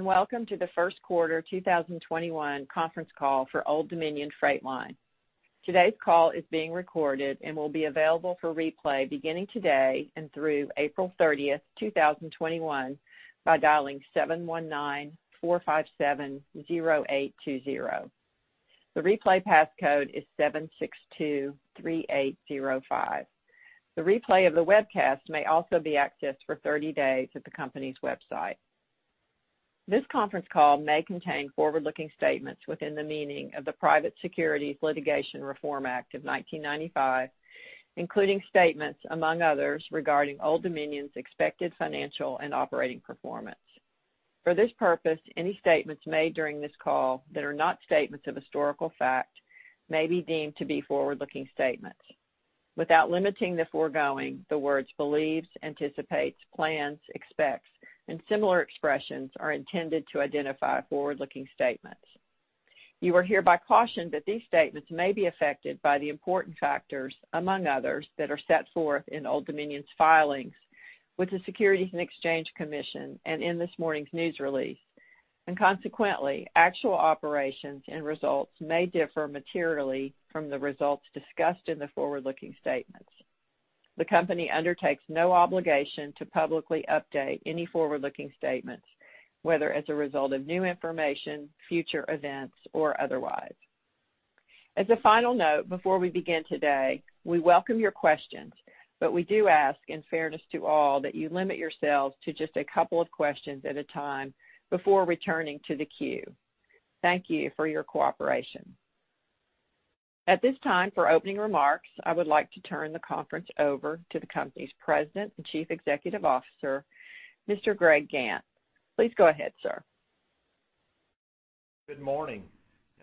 Welcome to the First Quarter 2021 Conference Call for Old Dominion Freight Line. Today's call is being recorded and will be available for replay beginning today and through April 30th, 2021 by dialing 719-457-0820. The replay passcode is 7623805. The replay of the webcast may also be accessed for 30 days at the company's website. This conference call may contain forward-looking statements within the meaning of the Private Securities Litigation Reform Act of 1995, including statements, among others, regarding Old Dominion's expected financial and operating performance. For this purpose, any statements made during this call that are not statements of historical fact may be deemed to be forward-looking statements. Without limiting the foregoing, the words believes, anticipates, plans, expects, and similar expressions are intended to identify forward-looking statements. You are hereby cautioned that these statements may be affected by the important factors, among others, that are set forth in Old Dominion's filings with the Securities and Exchange Commission and in this morning's news release. Consequently, actual operations and results may differ materially from the results discussed in the forward-looking statements. The company undertakes no obligation to publicly update any forward-looking statements, whether as a result of new information, future events, or otherwise. As a final note, before we begin today, we welcome your questions, but we do ask, in fairness to all, that you limit yourselves to just a couple of questions at a time before returning to the queue. Thank you for your cooperation. At this time, for opening remarks, I would like to turn the conference over to the company's President and Chief Executive Officer, Mr. Greg Gantt. Please go ahead, sir. Good morning.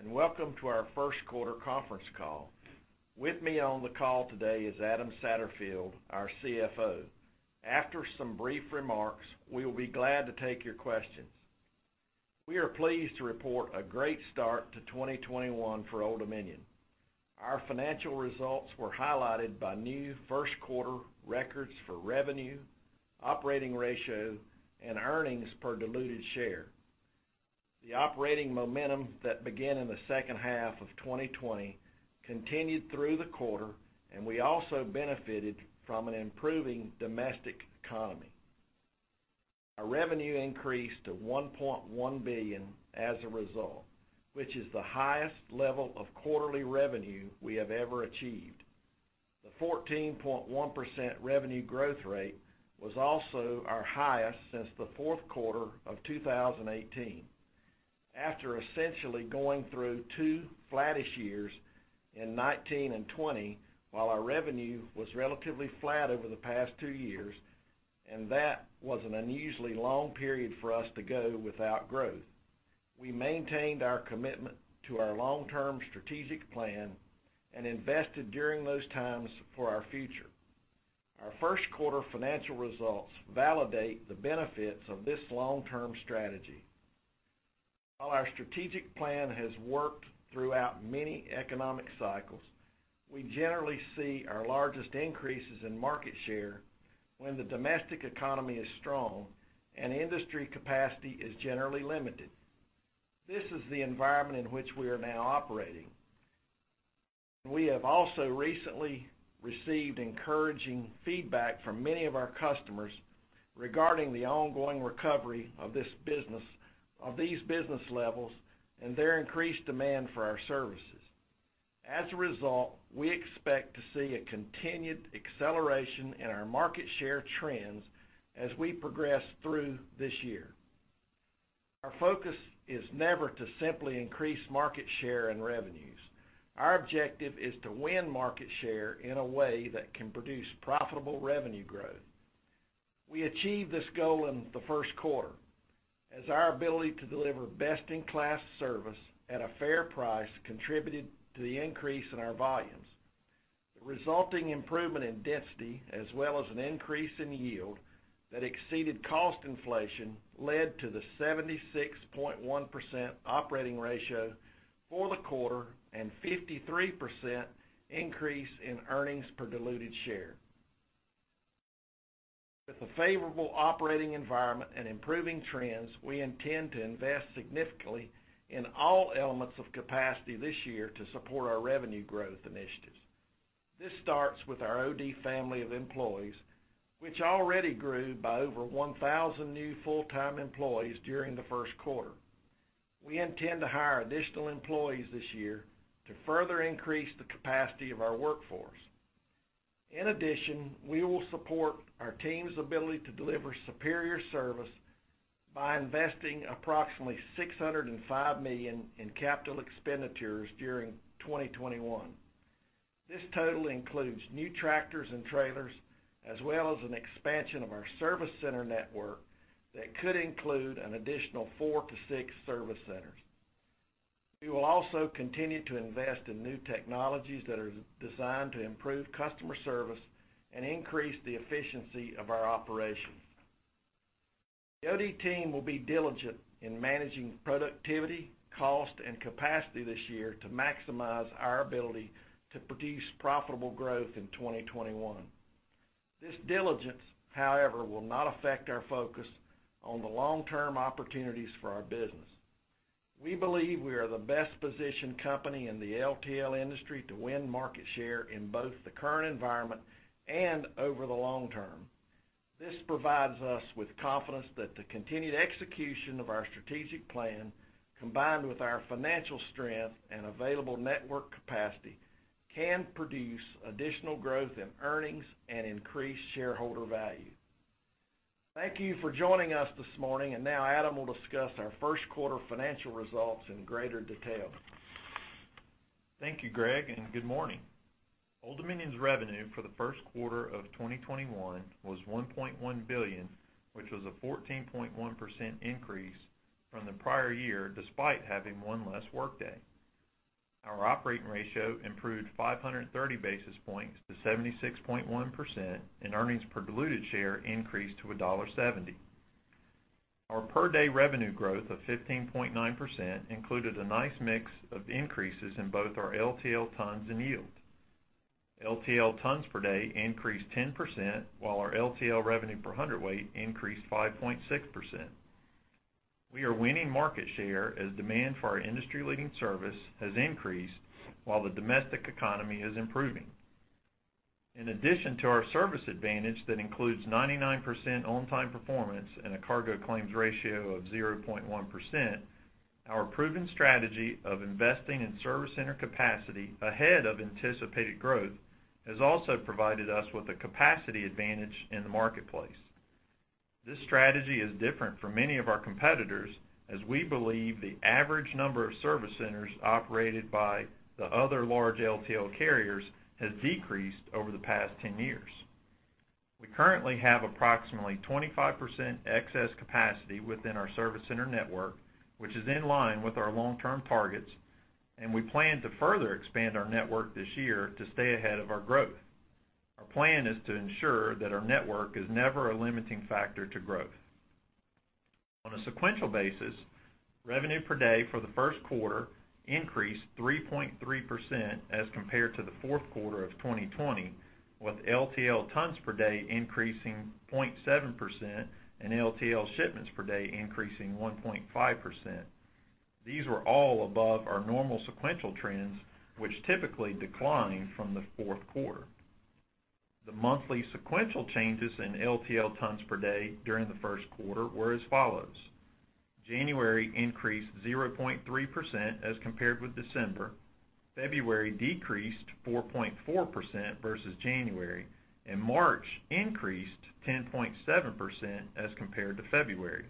Welcome to our first quarter conference call. With me on the call today is Adam Satterfield, our CFO. After some brief remarks, we will be glad to take your questions. We are pleased to report a great start to 2021 for Old Dominion. Our financial results were highlighted by new first quarter records for revenue, operating ratio, and earnings per diluted share. The operating momentum that began in the second half of 2020 continued through the quarter, and we also benefited from an improving domestic economy. Our revenue increased to $1.1 billion as a result, which is the highest level of quarterly revenue we have ever achieved. The 14.1% revenue growth rate was also our highest since the fourth quarter of 2018. After essentially going through two flattish years in 2019 and 2020, while our revenue was relatively flat over the past two years, and that was an unusually long period for us to go without growth. We maintained our commitment to our long-term strategic plan and invested during those times for our future. Our Q1 financial results validate the benefits of this long-term strategy. While our strategic plan has worked throughout many economic cycles, we generally see our largest increases in market share when the domestic economy is strong and industry capacity is generally limited. This is the environment in which we are now operating. We have also recently received encouraging feedback from many of our customers regarding the ongoing recovery of these business levels and their increased demand for our services. As a result, we expect to see a continued acceleration in our market share trends as we progress through this year. Our focus is never to simply increase market share and revenues. Our objective is to win market share in a way that can produce profitable revenue growth. We achieved this goal in the first quarter as our ability to deliver best-in-class service at a fair price contributed to the increase in our volumes. The resulting improvement in density as well as an increase in yield that exceeded cost inflation led to the 76.1% operating ratio for the quarter and 53% increase in earnings per diluted share. With a favorable operating environment and improving trends, we intend to invest significantly in all elements of capacity this year to support our revenue growth initiatives. This starts with our OD family of employees, which already grew by over 1,000 new full-time employees during the first quarter. We intend to hire additional employees this year to further increase the capacity of our workforce. In addition, we will support our team's ability to deliver superior service by investing approximately $605 million in capital expenditures during 2021. This total includes new tractors and trailers, as well as an expansion of our service center network that could include an additional four to six service centers. We will also continue to invest in new technologies that are designed to improve customer service and increase the efficiency of our operations. The OD team will be diligent in managing productivity, cost, and capacity this year to maximize our ability to produce profitable growth in 2021. This diligence, however, will not affect our focus on the long-term opportunities for our business. We believe we are the best-positioned company in the LTL industry to win market share in both the current environment and over the long term. This provides us with confidence that the continued execution of our strategic plan, combined with our financial strength and available network capacity, can produce additional growth in earnings and increase shareholder value. Thank you for joining us this morning, and now Adam will discuss our first quarter financial results in greater detail. Thank you, Greg. Good morning. Old Dominion's revenue for the first quarter of 2021 was $1.1 billion, which was a 14.1% increase from the prior year, despite having one less workday. Our operating ratio improved 530 basis points to 76.1%, and earnings per diluted share increased to $1.70. Our per-day revenue growth of 15.9% included a nice mix of increases in both our LTL tons and yield. LTL tons per day increased 10%, while our LTL revenue per hundredweight increased 5.6%. We are winning market share as demand for our industry-leading service has increased while the domestic economy is improving. In addition to our service advantage that includes 99% on-time performance and a cargo claims ratio of 0.1%, our proven strategy of investing in service center capacity ahead of anticipated growth has also provided us with a capacity advantage in the marketplace. This strategy is different from many of our competitors, as we believe the average number of service centers operated by the other large LTL carriers has decreased over the past 10 years. We currently have approximately 25% excess capacity within our service center network, which is in line with our long-term targets, and we plan to further expand our network this year to stay ahead of our growth. Our plan is to ensure that our network is never a limiting factor to growth. On a sequential basis, revenue per day for the first quarter increased 3.3% as compared to the fourth quarter of 2020, with LTL tons per day increasing 0.7% and LTL shipments per day increasing 1.5%. These were all above our normal sequential trends, which typically decline from the fourth quarter. The monthly sequential changes in LTL tons per day during the first quarter were as follows: January increased 0.3% as compared with December, February decreased 4.4% versus January, and March increased 10.7% as compared to February.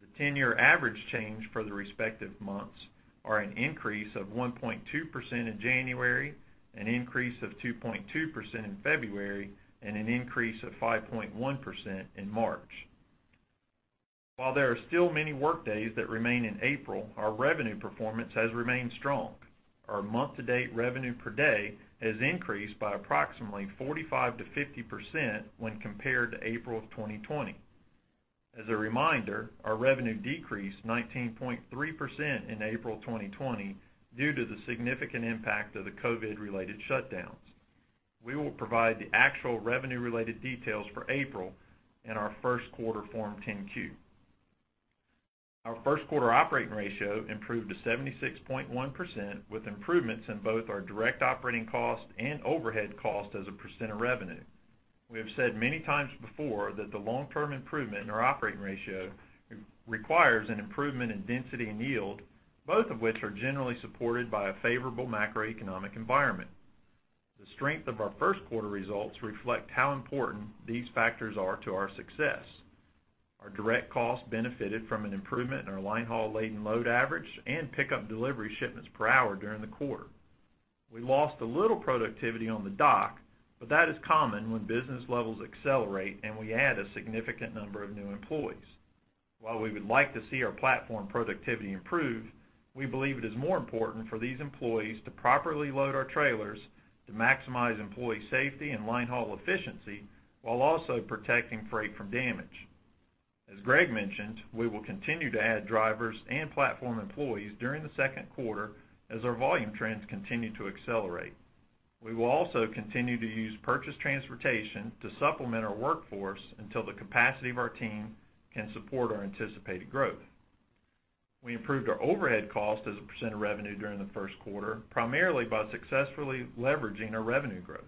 The 10-year average change for the respective months are an increase of 1.2% in January, an increase of 2.2% in February, and an increase of 5.1% in March. While there are still many workdays that remain in April, our revenue performance has remained strong. Our month-to-date revenue per day has increased by approximately 45%-50% when compared to April of 2020. As a reminder, our revenue decreased 19.3% in April 2020 due to the significant impact of the COVID-related shutdowns. We will provide the actual revenue-related details for April in our first quarter Form 10-Q. Our first quarter operating ratio improved to 76.1%, with improvements in both our direct operating cost and overhead cost as a percent of revenue. We have said many times before that the long-term improvement in our operating ratio requires an improvement in density and yield, both of which are generally supported by a favorable macroeconomic environment. The strength of our first quarter results reflect how important these factors are to our success. Our direct costs benefited from an improvement in our line haul laden load average and pickup and delivery shipments per hour during the quarter. That is common when business levels accelerate and we add a significant number of new employees. While we would like to see our platform productivity improve, we believe it is more important for these employees to properly load our trailers to maximize employee safety and line haul efficiency while also protecting freight from damage. As Greg mentioned, we will continue to add drivers and platform employees during the second quarter as our volume trends continue to accelerate. We will also continue to use purchased transportation to supplement our workforce until the capacity of our team can support our anticipated growth. We improved our overhead cost as a percent of revenue during the first quarter, primarily by successfully leveraging our revenue growth.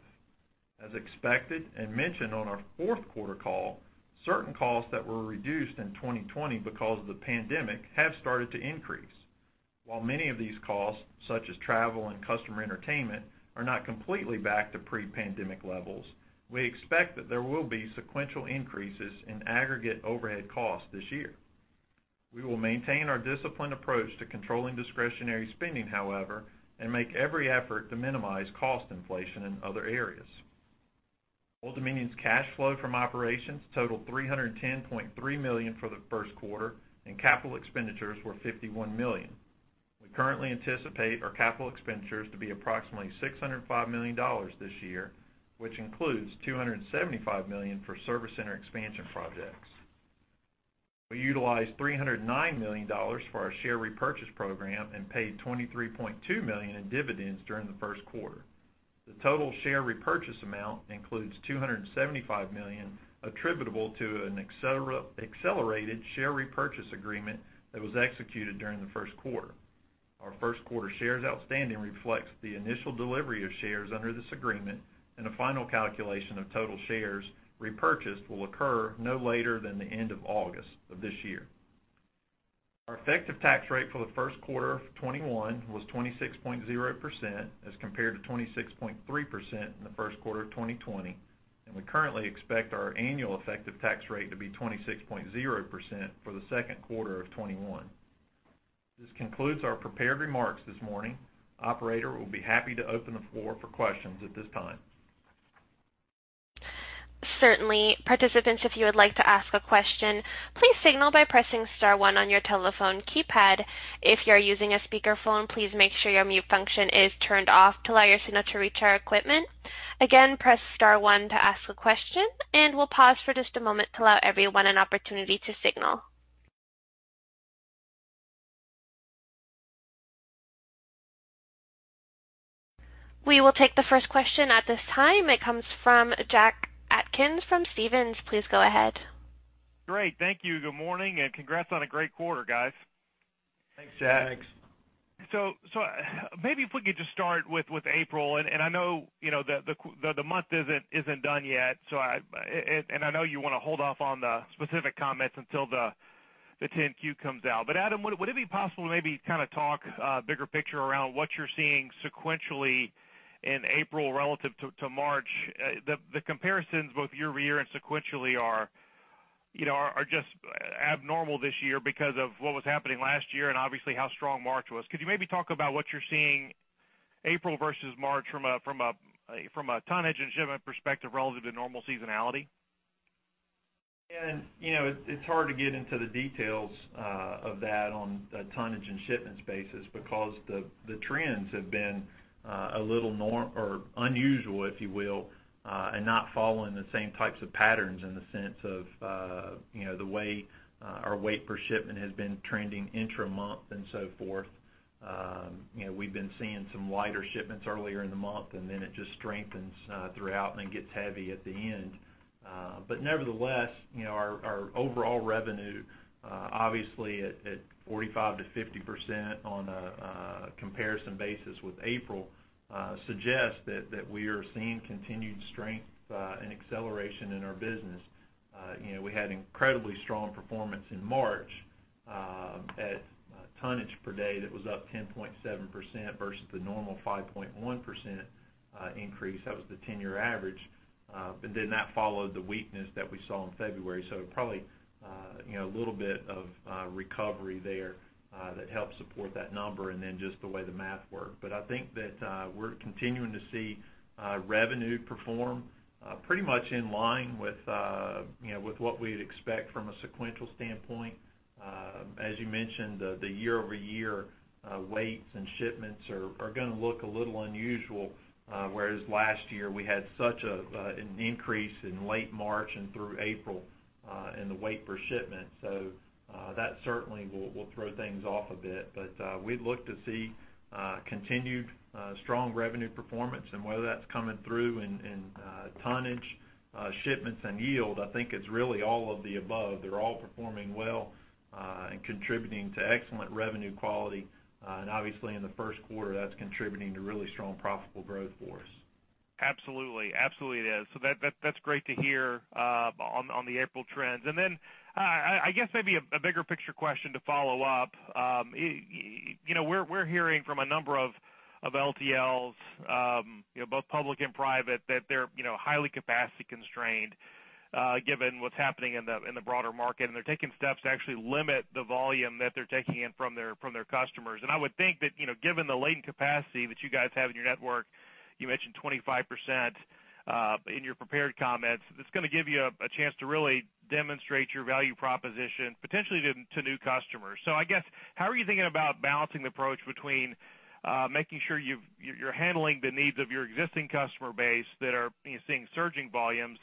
As expected and mentioned on our fourth quarter call, certain costs that were reduced in 2020 because of the pandemic have started to increase. While many of these costs, such as travel and customer entertainment, are not completely back to pre-pandemic levels, we expect that there will be sequential increases in aggregate overhead costs this year. We will maintain our disciplined approach to controlling discretionary spending, however, and make every effort to minimize cost inflation in other areas. Old Dominion's cash flow from operations totaled $310.3 million for the first quarter, and capital expenditures were $51 million. We currently anticipate our capital expenditures to be approximately $605 million this year, which includes $275 million for service center expansion projects. We utilized $309 million for our share repurchase program and paid $23.2 million in dividends during the first quarter. The total share repurchase amount includes $275 million attributable to an accelerated share repurchase agreement that was executed during the first quarter. Our first quarter shares outstanding reflects the initial delivery of shares under this agreement, and a final calculation of total shares repurchased will occur no later than the end of August of this year. Our effective tax rate for the first quarter of 2021 was 26.0% as compared to 26.3% in the first quarter of 2020, and we currently expect our annual effective tax rate to be 26.0% for the second quarter of 2021. This concludes our prepared remarks this morning. Operator, we'll be happy to open the floor for questions at this time. Certainly. Participants, if you would like to ask a question, please signal by pressing star one on your telephone keypad. If you're using a speakerphone, please make sure your mute function is turned off to allow your signal to reach our equipment. Again, press star one to ask a question. We'll pause for just a moment to allow everyone an opportunity to signal. We will take the first question at this time. It comes from Jack Atkins from Stephens. Please go ahead. Great. Thank you. Good morning, and congrats on a great quarter, guys. Thanks, Jack. Thanks. Maybe if we could just start with April, and I know the month isn't done yet, and I know you want to hold off on the specific comments until the 10-Q comes out. Adam, would it be possible to maybe talk bigger picture around what you're seeing sequentially in April relative to March? The comparisons both year-over-year and sequentially are just abnormal this year because of what was happening last year and obviously how strong March was. Could you maybe talk about what you're seeing April versus March from a tonnage and shipment perspective relative to normal seasonality? It's hard to get into the details of that on a tonnage and shipments basis because the trends have been a little unusual, if you will, and not following the same types of patterns in the sense of the way our weight per shipment has been trending intra-month and so forth. We've been seeing some lighter shipments earlier in the month, and then it just strengthens throughout and then gets heavy at the end. Nevertheless, our overall revenue, obviously at 45%-50% on a comparison basis with April, suggests that we are seeing continued strength and acceleration in our business. We had incredibly strong performance in March at tonnage per day that was up 10.7% versus the normal 5.1% increase. That was the 10-year average. That followed the weakness that we saw in February. Probably a little bit of recovery there that helped support that number and then just the way the math worked. I think that we're continuing to see revenue perform pretty much in line with what we'd expect from a sequential standpoint. As you mentioned, the year-over-year weights and shipments are going to look a little unusual, whereas last year we had such an increase in late March and through April in the weight per shipment. That certainly will throw things off a bit. We'd look to see continued strong revenue performance, and whether that's coming through in tonnage, shipments, and yield, I think it's really all of the above. They're all performing well and contributing to excellent revenue quality. Obviously in the first quarter, that's contributing to really strong profitable growth for us. Absolutely it is. That's great to hear on the April trends. I guess maybe a bigger picture question to follow up. We're hearing from a number of LTLs, both public and private, that they're highly capacity constrained given what's happening in the broader market, and they're taking steps to actually limit the volume that they're taking in from their customers. I would think that given the latent capacity that you guys have in your network, you mentioned 25% in your prepared comments, it's going to give you a chance to really demonstrate your value proposition potentially to new customers. I guess, how are you thinking about balancing the approach between making sure you're handling the needs of your existing customer base that are seeing surging volumes,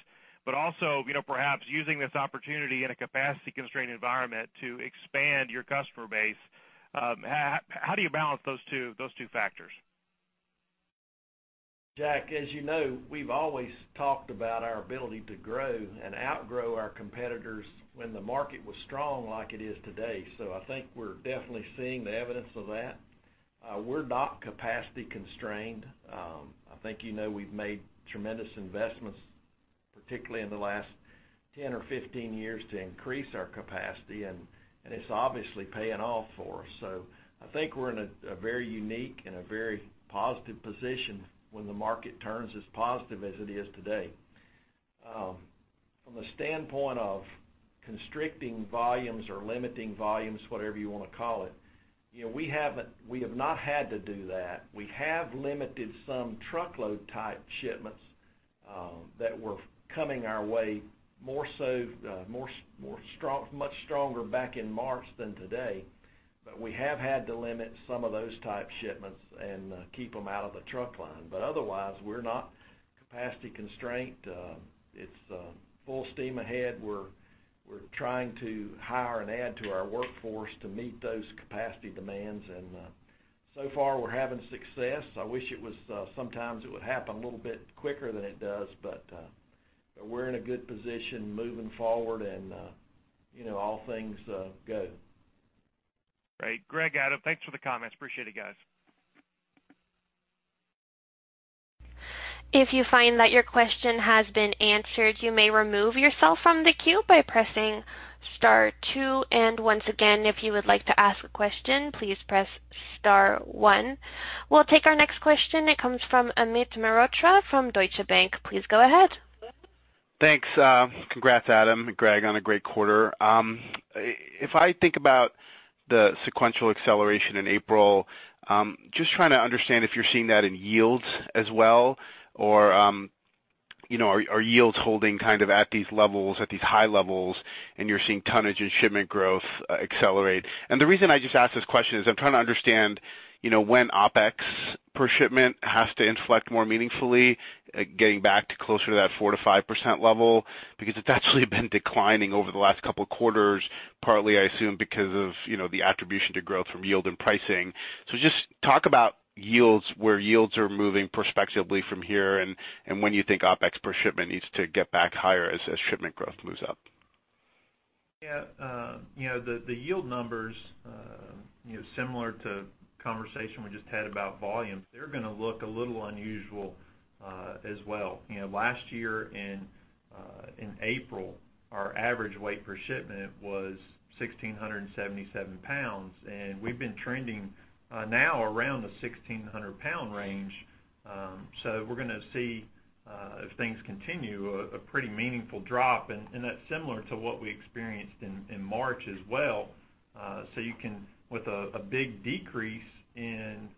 but also perhaps using this opportunity in a capacity constrained environment to expand your customer base? How do you balance those two factors? Jack, as you know, we've always talked about our ability to grow and outgrow our competitors when the market was strong like it is today. I think we're definitely seeing the evidence of that. We're not capacity constrained. I think you know we've made tremendous investments, particularly in the last 10 or 15 years, to increase our capacity, and it's obviously paying off for us. I think we're in a very unique and a very positive position when the market turns as positive as it is today. From the standpoint of constricting volumes or limiting volumes, whatever you want to call it, we have not had to do that. We have limited some truckload type shipments that were coming our way much stronger back in March than today. We have had to limit some of those type shipments and keep them out of the truck line. Otherwise, we're not capacity-constrained. It's full steam ahead. We're trying to hire and add to our workforce to meet those capacity demands. So far, we're having success. I wish it would happen a little bit quicker than it does. We're in a good position moving forward. All things good. Great. Greg, Adam, thanks for the comments. Appreciate it, guys. If you find that your question has been answered, you may remove yourself from the queue by pressing star two. Once again if you would like to ask a question, please press star one. We'll take our next question. It comes from Amit Mehrotra from Deutsche Bank. Please go ahead. Thanks. Congrats, Adam, Greg, on a great quarter. If I think about the sequential acceleration in April, just trying to understand if you're seeing that in yields as well, or are yields holding at these levels, at these high levels, and you're seeing tonnage and shipment growth accelerate. The reason I just asked this question is I'm trying to understand when OpEx per shipment has to inflect more meaningfully, getting back to closer to that 4%-5% level. It's actually been declining over the last couple of quarters, partly, I assume, because of the attribution to growth from yield and pricing. Just talk about yields, where yields are moving perspectively from here, and when you think OpEx per shipment needs to get back higher as shipment growth moves up. Yeah. The yield numbers, similar to the conversation we just had about volume, they're going to look a little unusual as well. Last year in April, our average weight per shipment was 1,677 lbs, and we've been trending now around the 1,600 lbs range. We're going to see, if things continue, a pretty meaningful drop, and that's similar to what we experienced in March as well. With a big decrease in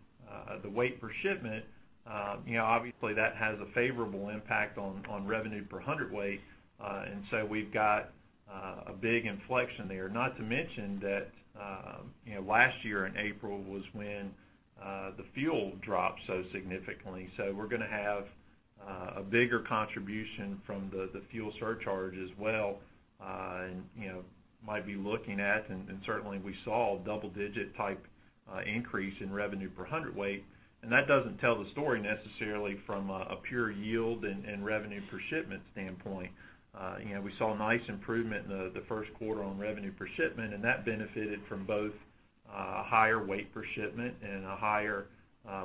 the weight per shipment, obviously, that has a favorable impact on revenue per hundredweight, we've got a big inflection there. Not to mention that last year in April was when the fuel dropped so significantly. We're going to have a bigger contribution from the fuel surcharge as well. Certainly we saw double-digit type increase in revenue per hundredweight, and that doesn't tell the story necessarily from a pure yield and revenue per shipment standpoint. We saw a nice improvement in the first quarter on revenue per shipment, and that benefited from both a higher weight per shipment and a higher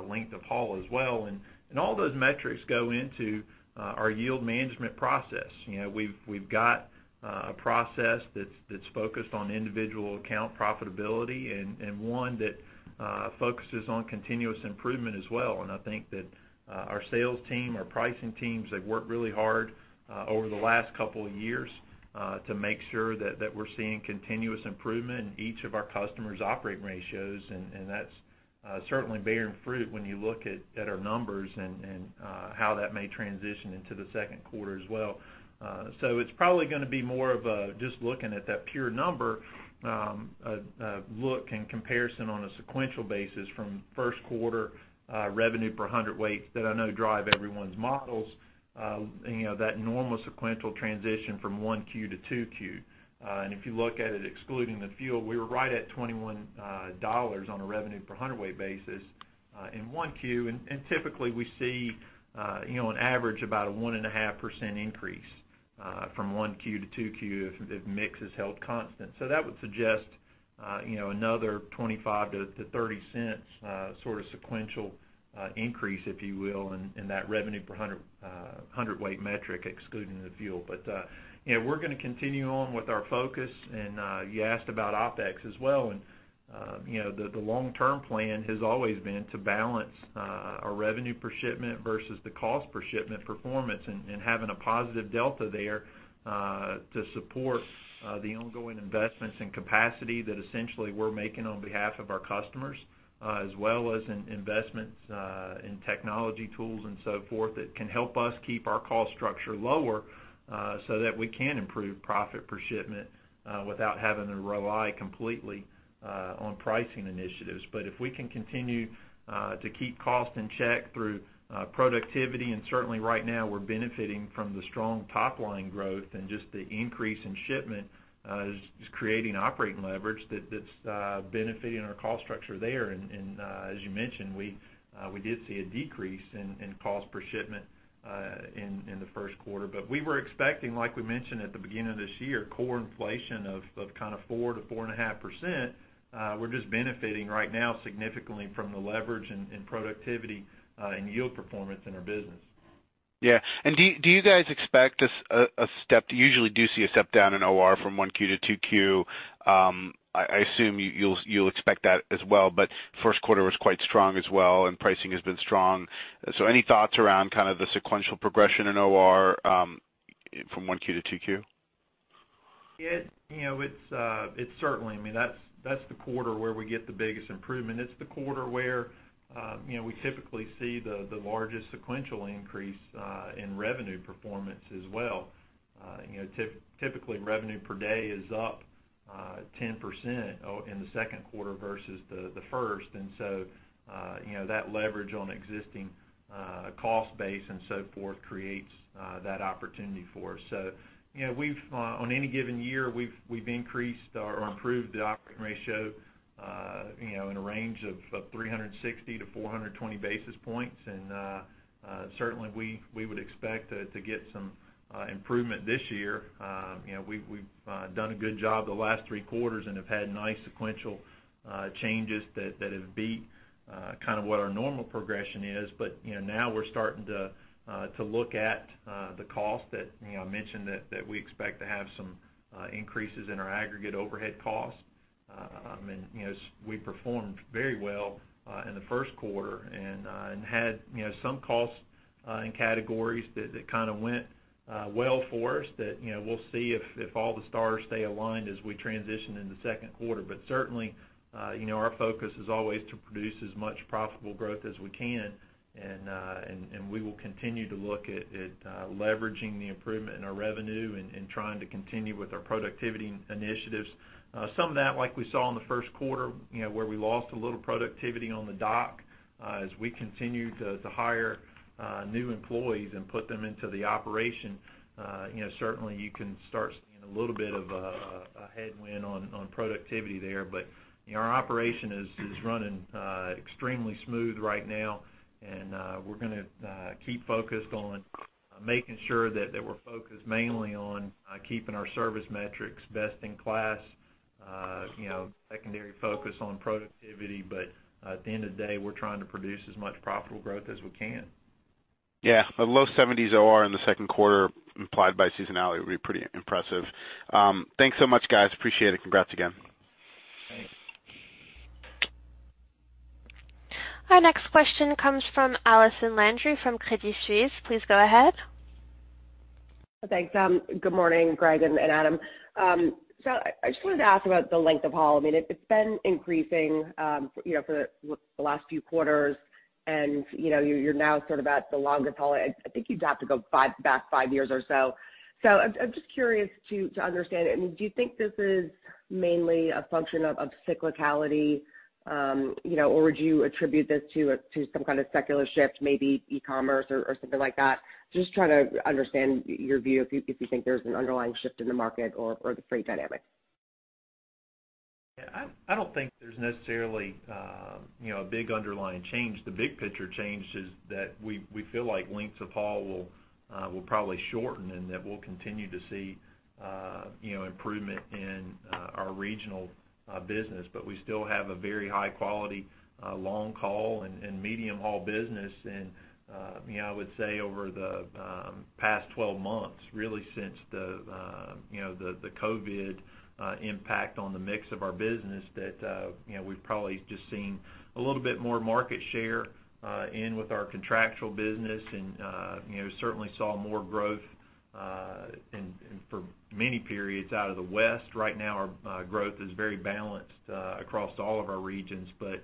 length of haul as well. All those metrics go into our yield management process. We've got a process that's focused on individual account profitability and one that focuses on continuous improvement as well. I think that our sales team, our pricing teams, they've worked really hard over the last couple of years to make sure that we're seeing continuous improvement in each of our customers' operating ratios. That's certainly bearing fruit when you look at our numbers and how that may transition into the second quarter as well. It's probably going to be more of a just looking at that pure number look and comparison on a sequential basis from first quarter revenue per hundredweight that I know drive everyone's models, that normal sequential transition from 1Q to 2Q. If you look at it excluding the fuel, we were right at $21 on a revenue per hundredweight basis in 1Q. Typically, we see an average about a 1.5% increase from 1Q to 2Q if mix is held constant. That would suggest another $0.25-$0.30 sort of sequential increase, if you will, in that revenue per hundredweight metric, excluding the fuel. We're going to continue on with our focus. You asked about OpEx as well, and the long-term plan has always been to balance our revenue per shipment versus the cost per shipment performance and having a positive delta there to support the ongoing investments in capacity that essentially we're making on behalf of our customers, as well as investments in technology tools and so forth that can help us keep our cost structure lower so that we can improve profit per shipment without having to rely completely on pricing initiatives. If we can continue to keep costs in check through productivity, and certainly right now we're benefiting from the strong top-line growth and just the increase in shipment is creating operating leverage that's benefiting our cost structure there. As you mentioned, we did see a decrease in cost per shipment in the first quarter. We were expecting, like we mentioned at the beginning of this year, core inflation of 4%-4.5%. We're just benefiting right now significantly from the leverage in productivity and yield performance in our business. Yeah. Do you guys usually do see a step down in OR from 1Q to 2Q? I assume you'll expect that as well. The first quarter was quite strong as well, and pricing has been strong. Any thoughts around the sequential progression in OR from 1Q to 2Q? It's certainly. That's the quarter where we get the biggest improvement. It's the quarter where we typically see the largest sequential increase in revenue performance as well. Typically, revenue per day is up 10% in the second quarter versus the first. That leverage on existing cost base and so forth creates that opportunity for us. On any given year, we've increased or improved the operating ratio in a range of 360-420 basis points. Certainly, we would expect to get some improvement this year. We've done a good job the last three quarters and have had nice sequential changes that have beat what our normal progression is. Now we're starting to look at the cost that I mentioned, that we expect to have some increases in our aggregate overhead cost. As we performed very well in the first quarter and had some cost in categories that kind of went well for us that we'll see if all the stars stay aligned as we transition into second quarter. Certainly our focus is always to produce as much profitable growth as we can. We will continue to look at leveraging the improvement in our revenue and trying to continue with our productivity initiatives. Some of that, like we saw in the first quarter, where we lost a little productivity on the dock as we continue to hire new employees and put them into the operation. Certainly you can start seeing a little bit of a headwind on productivity there. Our operation is running extremely smooth right now, and we're going to keep focused on making sure that we're focused mainly on keeping our service metrics best in class, secondary focus on productivity. At the end of the day, we're trying to produce as much profitable growth as we can. Yeah. A low 70s OR in the second quarter implied by seasonality would be pretty impressive. Thanks so much, guys. Appreciate it. Congrats again. Thanks. Our next question comes from Allison Landry from Credit Suisse. Please go ahead. Thanks. Good morning, Greg and Adam. I just wanted to ask about the length of haul. It's been increasing for the last few quarters, and you're now sort of at the longest haul. I think you'd have to go back five years or so. I'm just curious to understand, do you think this is mainly a function of cyclicality, or would you attribute this to some kind of secular shift, maybe e-commerce or something like that? Just trying to understand your view, if you think there's an underlying shift in the market or the freight dynamics. Yeah. I don't think there's necessarily a big underlying change. The big picture change is that we feel like lengths of haul will probably shorten and that we'll continue to see improvement in our regional business. We still have a very high quality long haul and medium haul business. I would say over the past 12 months, really since the COVID impact on the mix of our business, that we've probably just seen a little bit more market share in with our contractual business and certainly saw more growth for many periods out of the West. Right now, our growth is very balanced across all of our regions, but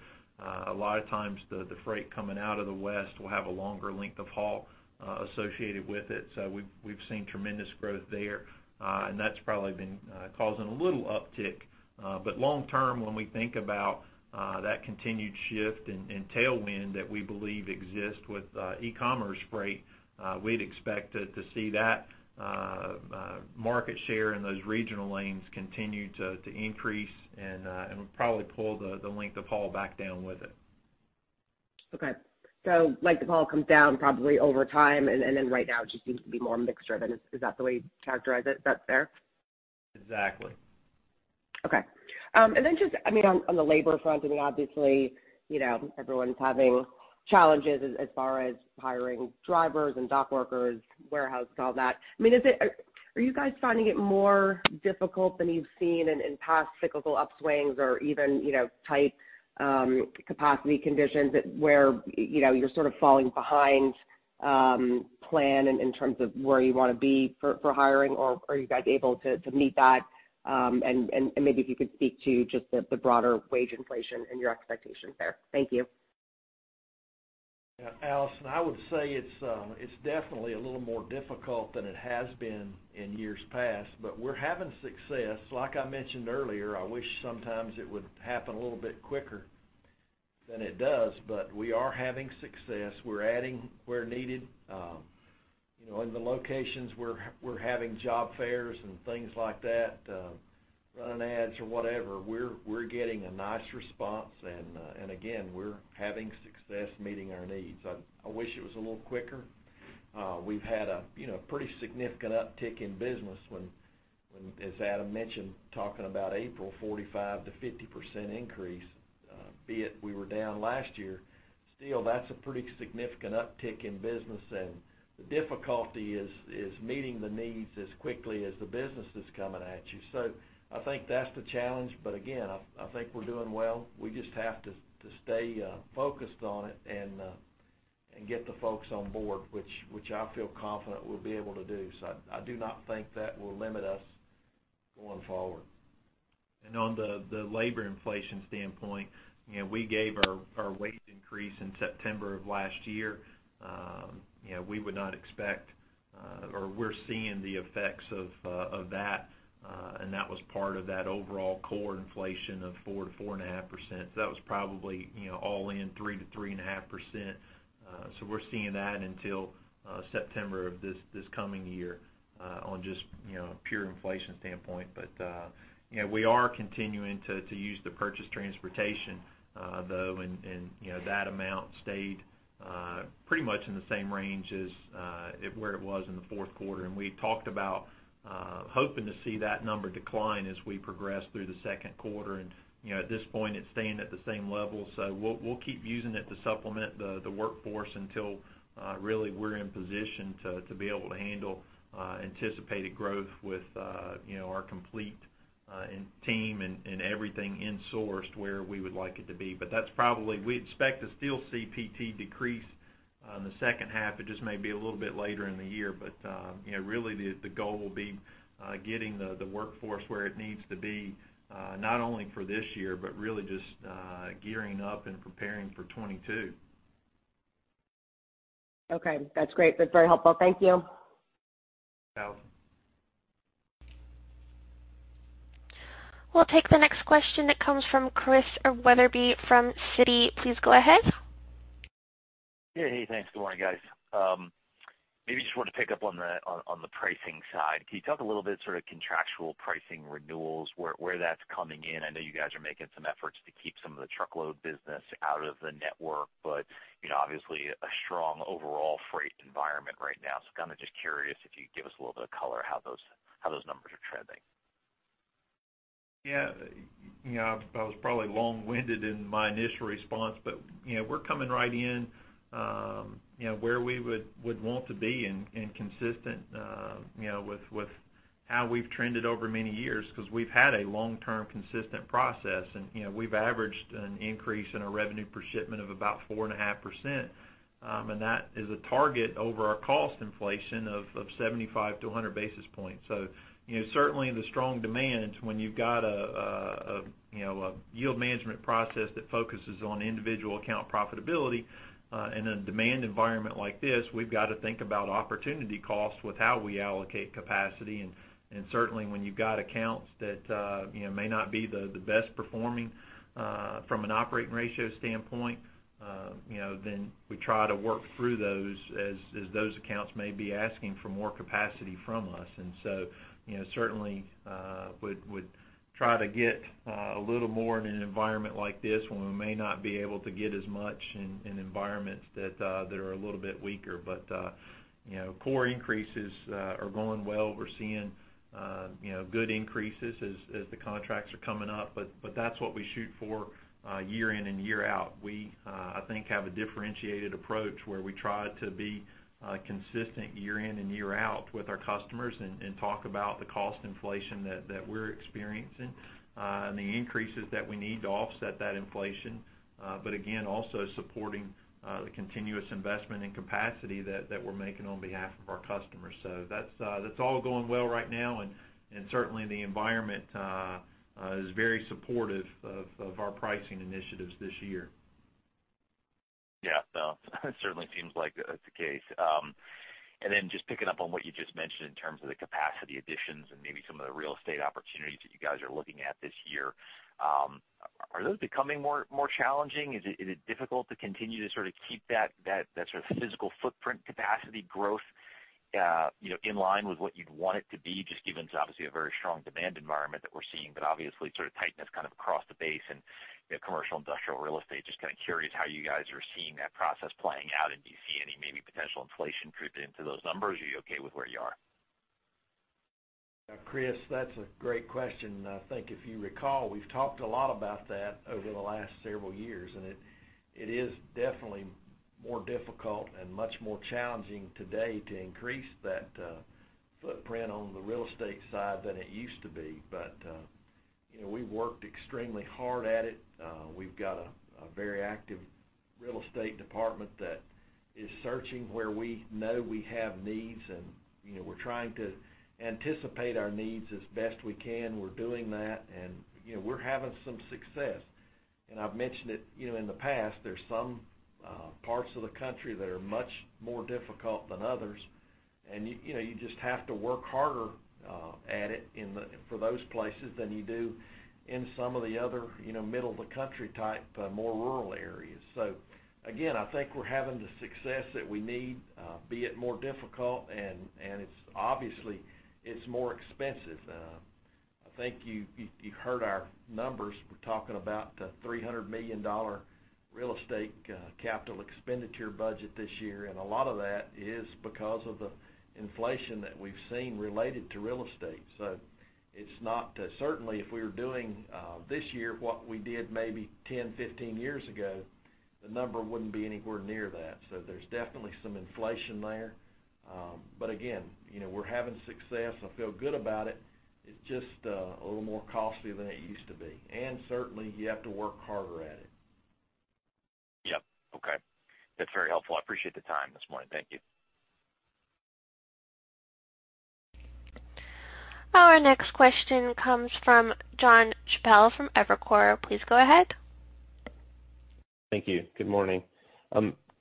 a lot of times the freight coming out of the West will have a longer length of haul associated with it. We've seen tremendous growth there. That's probably been causing a little uptick. Long term, when we think about that continued shift and tailwind that we believe exists with e-commerce freight, we'd expect to see that market share in those regional lanes continue to increase and probably pull the length of haul back down with it. Okay. Length of haul comes down probably over time. Right now it just seems to be more mix driven. Is that the way you'd characterize it, that's fair? Exactly. Okay. Just on the labor front, obviously everyone's having challenges as far as hiring drivers and dock workers, warehouse, all that. Are you guys finding it more difficult than you've seen in past cyclical upswings or even tight capacity conditions where you're sort of falling behind plan in terms of where you want to be for hiring? Are you guys able to meet that? Maybe if you could speak to just the broader wage inflation and your expectations there. Thank you. Yeah, Allison, I would say it's definitely a little more difficult than it has been in years past. We're having success. Like I mentioned earlier, I wish sometimes it would happen a little bit quicker than it does. We are having success. We're adding where needed. In the locations we're having job fairs and things like that, running ads or whatever, we're getting a nice response. Again, we're having success meeting our needs. I wish it was a little quicker. We've had a pretty significant uptick in business when, as Adam mentioned, talking about April, 45%-50% increase. Be it we were down last year, still that's a pretty significant uptick in business. The difficulty is meeting the needs as quickly as the business is coming at you. I think that's the challenge. Again, I think we're doing well. We just have to stay focused on it and get the folks on board, which I feel confident we'll be able to do. I do not think that will limit us going forward. On the labor inflation standpoint, we gave our wage increase in September of last year. We're seeing the effects of that, and that was part of that overall core inflation of 4%-4.5%. That was probably all in 3%-3.5%. We're seeing that until September of this coming year on just a pure inflation standpoint. We are continuing to use the purchased transportation, though, and that amount stayed pretty much in the same range as where it was in the fourth quarter. We talked about hoping to see that number decline as we progress through the second quarter. At this point, it's staying at the same level. We'll keep using it to supplement the workforce until really we're in position to be able to handle anticipated growth with our complete team and everything insourced where we would like it to be. We expect to still see PT decrease on the second half. It just may be a little bit later in the year, really the goal will be getting the workforce where it needs to be, not only for this year, but really just gearing up and preparing for 2022. Okay. That's great. That's very helpful. Thank you. You're welcome. We'll take the next question that comes from Chris Wetherbee from Citi. Please go ahead. Yeah. Hey, thanks. Good morning, guys. Maybe just wanted to pick up on the pricing side. Can you talk a little bit sort of contractual pricing renewals, where that's coming in? I know you guys are making some efforts to keep some of the truckload business out of the network. Obviously a strong overall freight environment right now. Just curious if you could give us a little bit of color how those numbers are trending. Yeah. I was probably long-winded in my initial response, but we're coming right in where we would want to be and consistent with how we've trended over many years because we've had a long-term consistent process. We've averaged an increase in our revenue per shipment of about 4.5%, and that is a target over our cost inflation of 75-100 basis points. Certainly in the strong demands, when you've got a yield management process that focuses on individual account profitability in a demand environment like this, we've got to think about opportunity costs with how we allocate capacity. Certainly when you've got accounts that may not be the best performing from an operating ratio standpoint, then we try to work through those as those accounts may be asking for more capacity from us. Certainly would try to get a little more in an environment like this when we may not be able to get as much in environments that are a little bit weaker. Core increases are going well. We're seeing good increases as the contracts are coming up. That's what we shoot for year in and year out. We, I think, have a differentiated approach where we try to be consistent year in and year out with our customers and talk about the cost inflation that we're experiencing, and the increases that we need to offset that inflation. Again, also supporting the continuous investment in capacity that we're making on behalf of our customers. That's all going well right now, and certainly the environment is very supportive of our pricing initiatives this year. Yeah. It certainly seems like that's the case. Just picking up on what you just mentioned in terms of the capacity additions and maybe some of the real estate opportunities that you guys are looking at this year, are those becoming more challenging? Is it difficult to continue to sort of keep that sort of physical footprint capacity growth in line with what you'd want it to be, just given it's obviously a very strong demand environment that we're seeing, but obviously sort of tightness kind of across the base and commercial industrial real estate? Just kind of curious how you guys are seeing that process playing out, and do you see any maybe potential inflation creep into those numbers? Are you okay with where you are? Chris, that's a great question. I think if you recall, we've talked a lot about that over the last several years, and it is definitely more difficult and much more challenging today to increase that footprint on the real estate side than it used to be. We've worked extremely hard at it. We've got a very active real estate department that is searching where we know we have needs, and we're trying to anticipate our needs as best we can. We're doing that, and we're having some success. I've mentioned it in the past, there's some parts of the country that are much more difficult than others, and you just have to work harder at it for those places than you do in some of the other middle of the country type, more rural areas. Again, I think we're having the success that we need, be it more difficult, and obviously, it's more expensive. I think you've heard our numbers. We're talking about a $300 million real estate capital expenditure budget this year, a lot of that is because of the inflation that we've seen related to real estate. Certainly if we were doing this year what we did maybe 10, 15 years ago, the number wouldn't be anywhere near that. There's definitely some inflation there. Again, we're having success. I feel good about it. It's just a little more costly than it used to be. Certainly you have to work harder at it. Yep. Okay. That's very helpful. I appreciate the time this morning. Thank you. Our next question comes from Jon Chappell from Evercore. Please go ahead. Thank you. Good morning.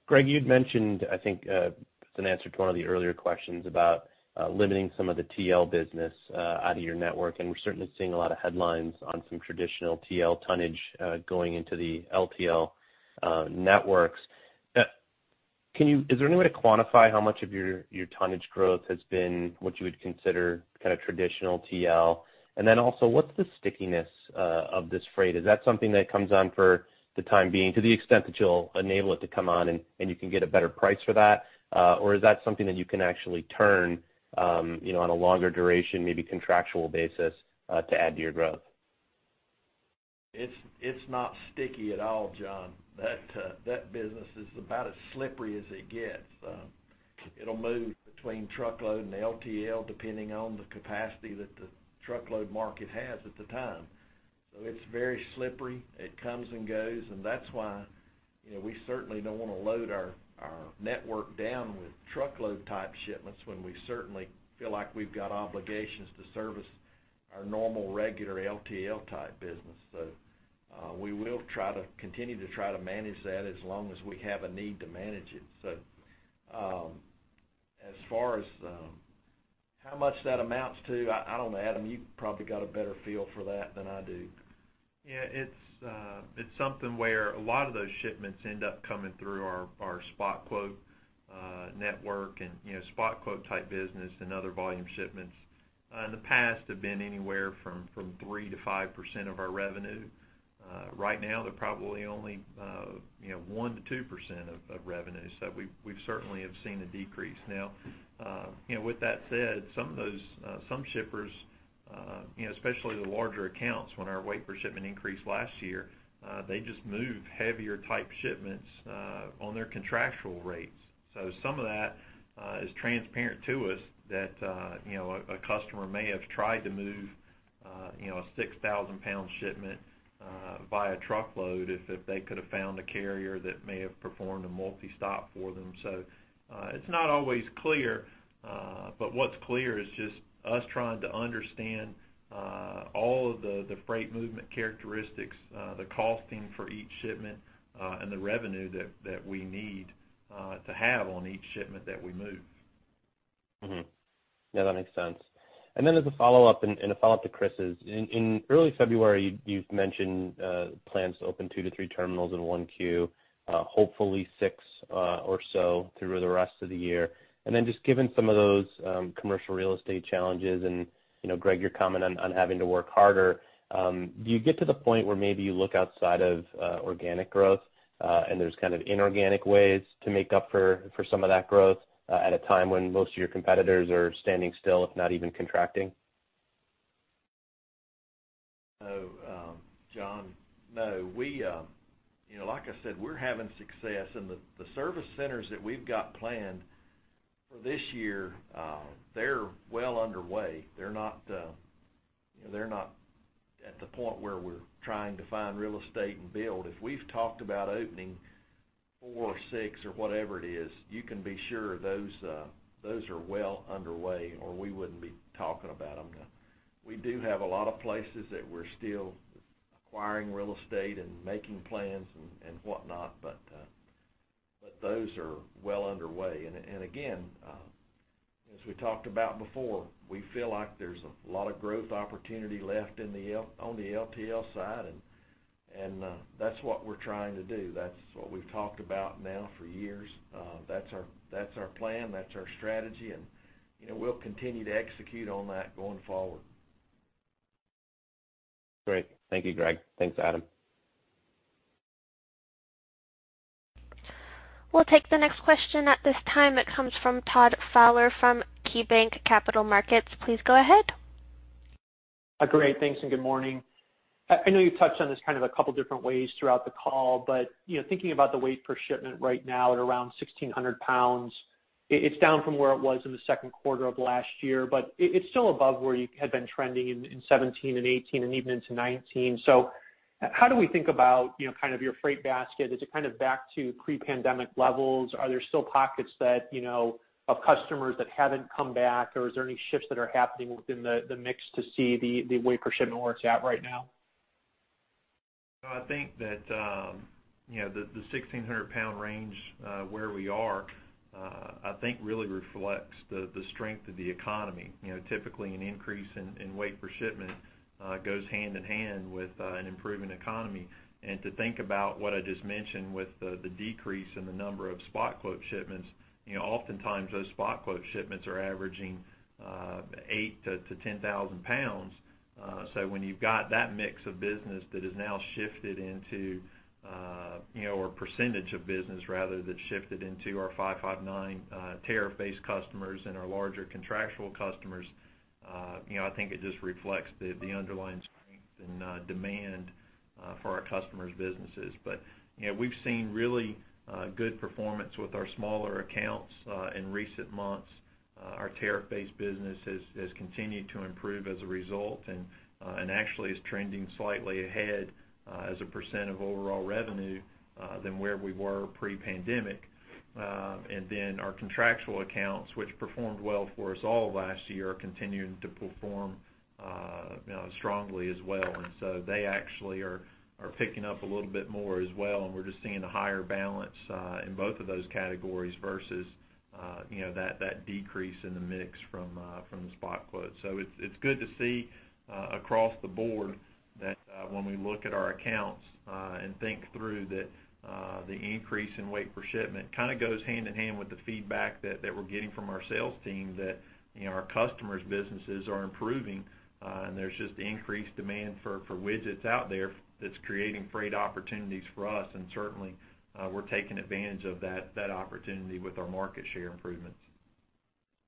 Greg, you'd mentioned, I think as an answer to one of the earlier questions about limiting some of the TL business out of your network, and we're certainly seeing a lot of headlines on some traditional TL tonnage going into the LTL networks. Is there any way to quantify how much of your tonnage growth has been what you would consider traditional TL? Then also, what's the stickiness of this freight? Is that something that comes on for the time being to the extent that you'll enable it to come on and you can get a better price for that? Is that something that you can actually turn on a longer duration, maybe contractual basis to add to your growth? It's not sticky at all, Jon. That business is about as slippery as it gets. It'll move between truckload and LTL depending on the capacity that the truckload market has at the time. It's very slippery. It comes and goes, and that's why we certainly don't want to load our network down with truckload type shipments when we certainly feel like we've got obligations to service our normal, regular LTL type business. We will continue to try to manage that as long as we have a need to manage it. As far as how much that amounts to, I don't know. Adam, you probably got a better feel for that than I do. Yeah, it's something where a lot of those shipments end up coming through our spot quote network and spot quote type business and other volume shipments. In the past, they've been anywhere from 3%-5% of our revenue. Right now, they're probably only 1%-2% of revenue. We certainly have seen a decrease. Now, with that said, some shippers, especially the larger accounts, when our weight per shipment increased last year, they just moved heavier type shipments on their contractual rates. Some of that is transparent to us that a customer may have tried to move a 6,000 lbs shipment via truckload if they could have found a carrier that may have performed a multi-stop for them. It's not always clear. What's clear is just us trying to understand all of the freight movement characteristics, the costing for each shipment, and the revenue that we need to have on each shipment that we move. Yeah, that makes sense. As a follow-up, and a follow-up to Chris'. In early February, you've mentioned plans to open two to three terminals in 1Q, hopefully six or so through the rest of the year. Just given some of those commercial real estate challenges and Greg, your comment on having to work harder, do you get to the point where maybe you look outside of organic growth? There's kind of inorganic ways to make up for some of that growth at a time when most of your competitors are standing still, if not even contracting? No, Jon. No. Like I said, we're having success, and the service centers that we've got planned for this year, they're well underway. They're not at the point where we're trying to find real estate and build. If we've talked about opening four or six or whatever it is, you can be sure those are well underway, or we wouldn't be talking about them. We do have a lot of places that we're still acquiring real estate and making plans and whatnot, but those are well underway. Again, as we talked about before, we feel like there's a lot of growth opportunity left on the LTL side, and that's what we're trying to do. That's what we've talked about now for years. That's our plan. That's our strategy, and we'll continue to execute on that going forward. Great. Thank you, Greg. Thanks, Adam. We'll take the next question at this time. It comes from Todd Fowler from KeyBanc Capital Markets. Please go ahead. Great. Thanks, and good morning. I know you've touched on this a couple different ways throughout the call, but thinking about the weight per shipment right now at around 1,600 lbs, it's down from where it was in the second quarter of last year, but it's still above where you had been trending in 2017 and 2018 and even into 2019. How do we think about your freight basket? Is it back to pre-pandemic levels? Are there still pockets of customers that haven't come back, or is there any shifts that are happening within the mix to see the weight per shipment where it's at right now? I think that the 1,600 lbs range where we are, I think, really reflects the strength of the economy. Typically, an increase in weight per shipment goes hand in hand with an improving economy. And to think about what I just mentioned with the decrease in the number of spot quote shipments, oftentimes those spot quote shipments are averaging 8,000 lbs-10,000 lbs. So when you've got that mix of business that is now shifted into, or percentage of business rather, that's shifted into our 559 tariff-based customers and our larger contractual customers, I think it just reflects the underlying strength and demand for our customers' businesses. But we've seen really good performance with our smaller accounts in recent months. Our tariff-based business has continued to improve as a result and actually is trending slightly ahead as a percent of overall revenue than where we were pre-pandemic. Our contractual accounts, which performed well for us all last year, are continuing to perform strongly as well. They actually are picking up a little bit more as well, and we're just seeing a higher balance in both of those categories versus that decrease in the mix from the spot quotes. It's good to see across the board that when we look at our accounts and think through the increase in weight per shipment, kind of goes hand in hand with the feedback that we're getting from our sales team that our customers' businesses are improving, and there's just increased demand for widgets out there that's creating freight opportunities for us. Certainly, we're taking advantage of that opportunity with our market share improvements.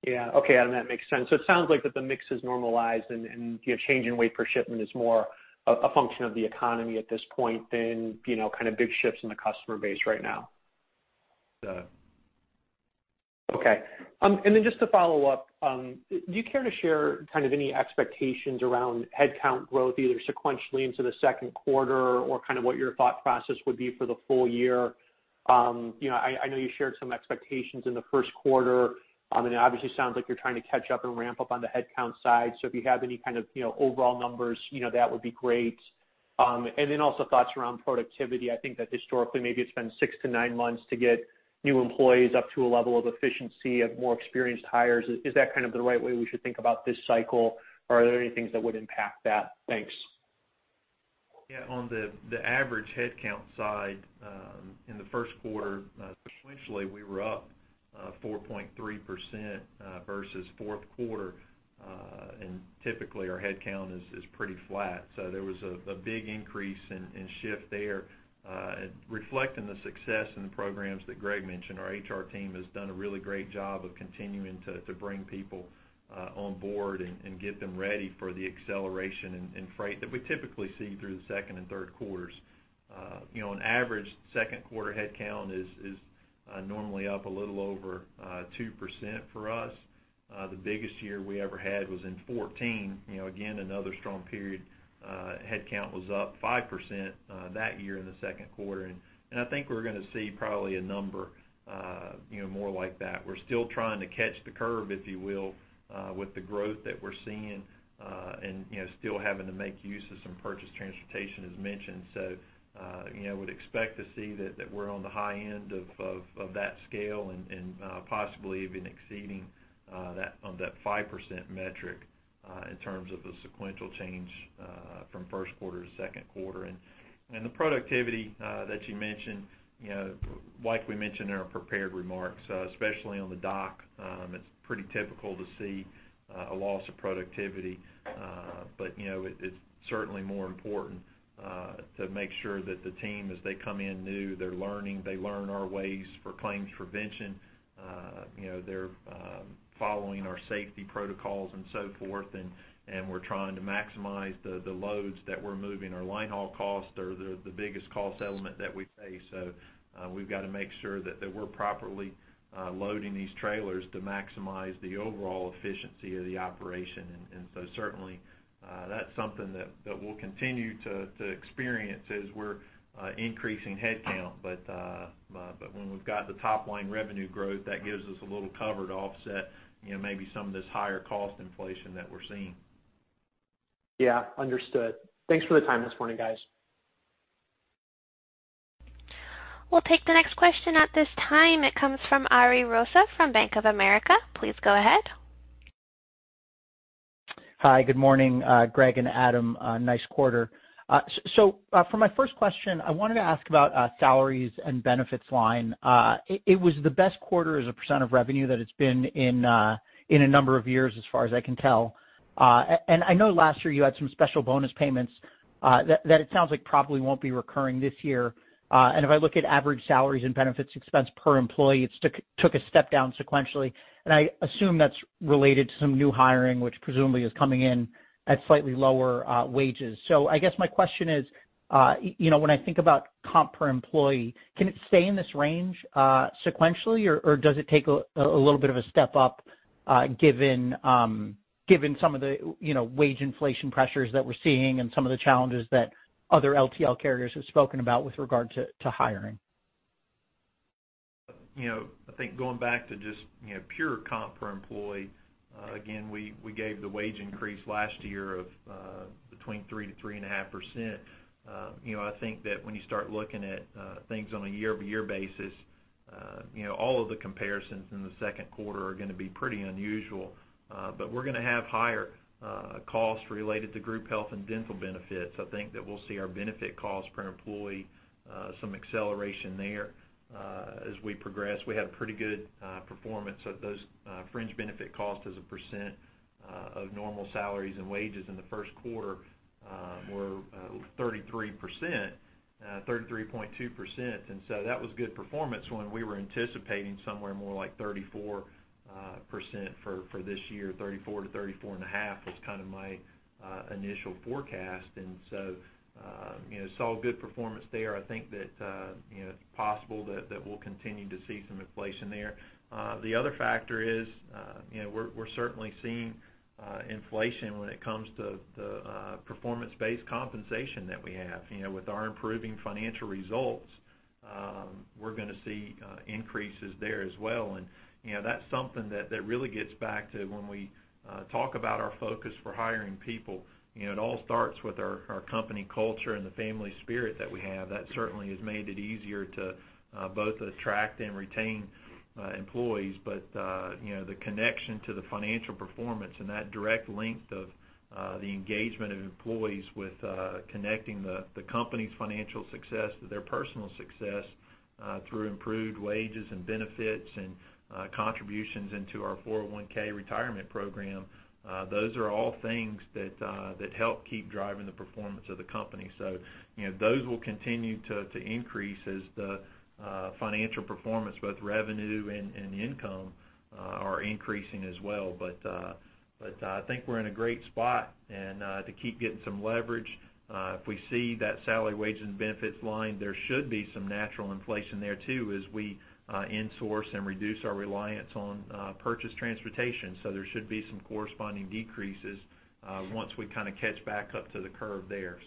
Yeah. Okay, Adam, that makes sense. It sounds like that the mix has normalized and change in weight per shipment is more a function of the economy at this point than kind of big shifts in the customer base right now. Yeah. Okay. Just to follow up, do you care to share any expectations around headcount growth, either sequentially into the second quarter or kind of what your thought process would be for the full year? I know you shared some expectations in the first quarter, and it obviously sounds like you're trying to catch up and ramp up on the headcount side. If you have any kind of overall numbers, that would be great. Also thoughts around productivity. I think that historically maybe it's been six to nine months to get new employees up to a level of efficiency of more experienced hires. Is that kind of the right way we should think about this cycle? Are there any things that would impact that? Thanks. Yeah, on the average headcount side, in the first quarter, sequentially, we were up 4.3% versus fourth quarter. Typically our headcount is pretty flat. There was a big increase in shift there. Reflecting the success in the programs that Greg mentioned, our HR team has done a really great job of continuing to bring people on board and get them ready for the acceleration in freight that we typically see through the second and third quarters. On average, second quarter headcount is normally up a little over 2% for us. The biggest year we ever had was in 2014. Again, another strong period. Headcount was up 5% that year in the second quarter, and I think we're going to see probably a number more like that. We're still trying to catch the curve, if you will, with the growth that we're seeing, and still having to make use of some purchased transportation as mentioned. Would expect to see that we're on the high end of that scale and possibly even exceeding that on that 5% metric in terms of the sequential change from first quarter to second quarter. The productivity that you mentioned, like we mentioned in our prepared remarks, especially on the dock, it's pretty typical to see a loss of productivity. It's certainly more important to make sure that the team, as they come in new, they're learning, they learn our ways for claims prevention. They're following our safety protocols and so forth, and we're trying to maximize the loads that we're moving. Our line haul costs are the biggest cost element that we face, so we've got to make sure that we're properly loading these trailers to maximize the overall efficiency of the operation. Certainly, that's something that we'll continue to experience as we're increasing headcount. When we've got the top-line revenue growth, that gives us a little cover to offset maybe some of this higher cost inflation that we're seeing. Yeah. Understood. Thanks for the time this morning, guys. We'll take the next question at this time. It comes from Ari Rosa from Bank of America. Please go ahead. Hi, good morning, Greg and Adam. Nice quarter. For my first question, I wanted to ask about salaries and benefits line. It was the best quarter as a percent of revenue that it's been in a number of years, as far as I can tell. I know last year you had some special bonus payments that it sounds like probably won't be recurring this year. If I look at average salaries and benefits expense per employee, it took a step down sequentially, and I assume that's related to some new hiring, which presumably is coming in at slightly lower wages. I guess my question is, when I think about comp per employee, can it stay in this range sequentially, or does it take a little bit of a step up given some of the wage inflation pressures that we're seeing and some of the challenges that other LTL carriers have spoken about with regard to hiring? I think going back to just pure comp per employee, again, we gave the wage increase last year of between 3% and 3.5%. When you start looking at things on a year-over-year basis, all of the comparisons in the second quarter are going to be pretty unusual. We're going to have higher costs related to group health and dental benefits. We'll see our benefit cost per employee, some acceleration there as we progress. We had pretty good performance at those fringe benefit cost as a percent of normal salaries and wages in the first quarter were 33.2%. That was good performance when we were anticipating somewhere more like 34% for this year, 34%-34.5% kind of my initial forecast. Saw good performance there. It's possible that we'll continue to see some inflation there. The other factor is we're certainly seeing inflation when it comes to the performance-based compensation that we have. With our improving financial results, we're going to see increases there as well. That's something that really gets back to when we talk about our focus for hiring people. It all starts with our company culture and the family spirit that we have. That certainly has made it easier to both attract and retain employees. The connection to the financial performance and that direct link of the engagement of employees with connecting the company's financial success to their personal success through improved wages and benefits and contributions into our 401(k) retirement program, those are all things that help keep driving the performance of the company. Those will continue to increase as the financial performance, both revenue and income, are increasing as well. I think we're in a great spot to keep getting some leverage. If we see that salary, wages, and benefits line, there should be some natural inflation there, too, as we insource and reduce our reliance on purchased transportation. There should be some corresponding decreases once we catch back up to the curve there.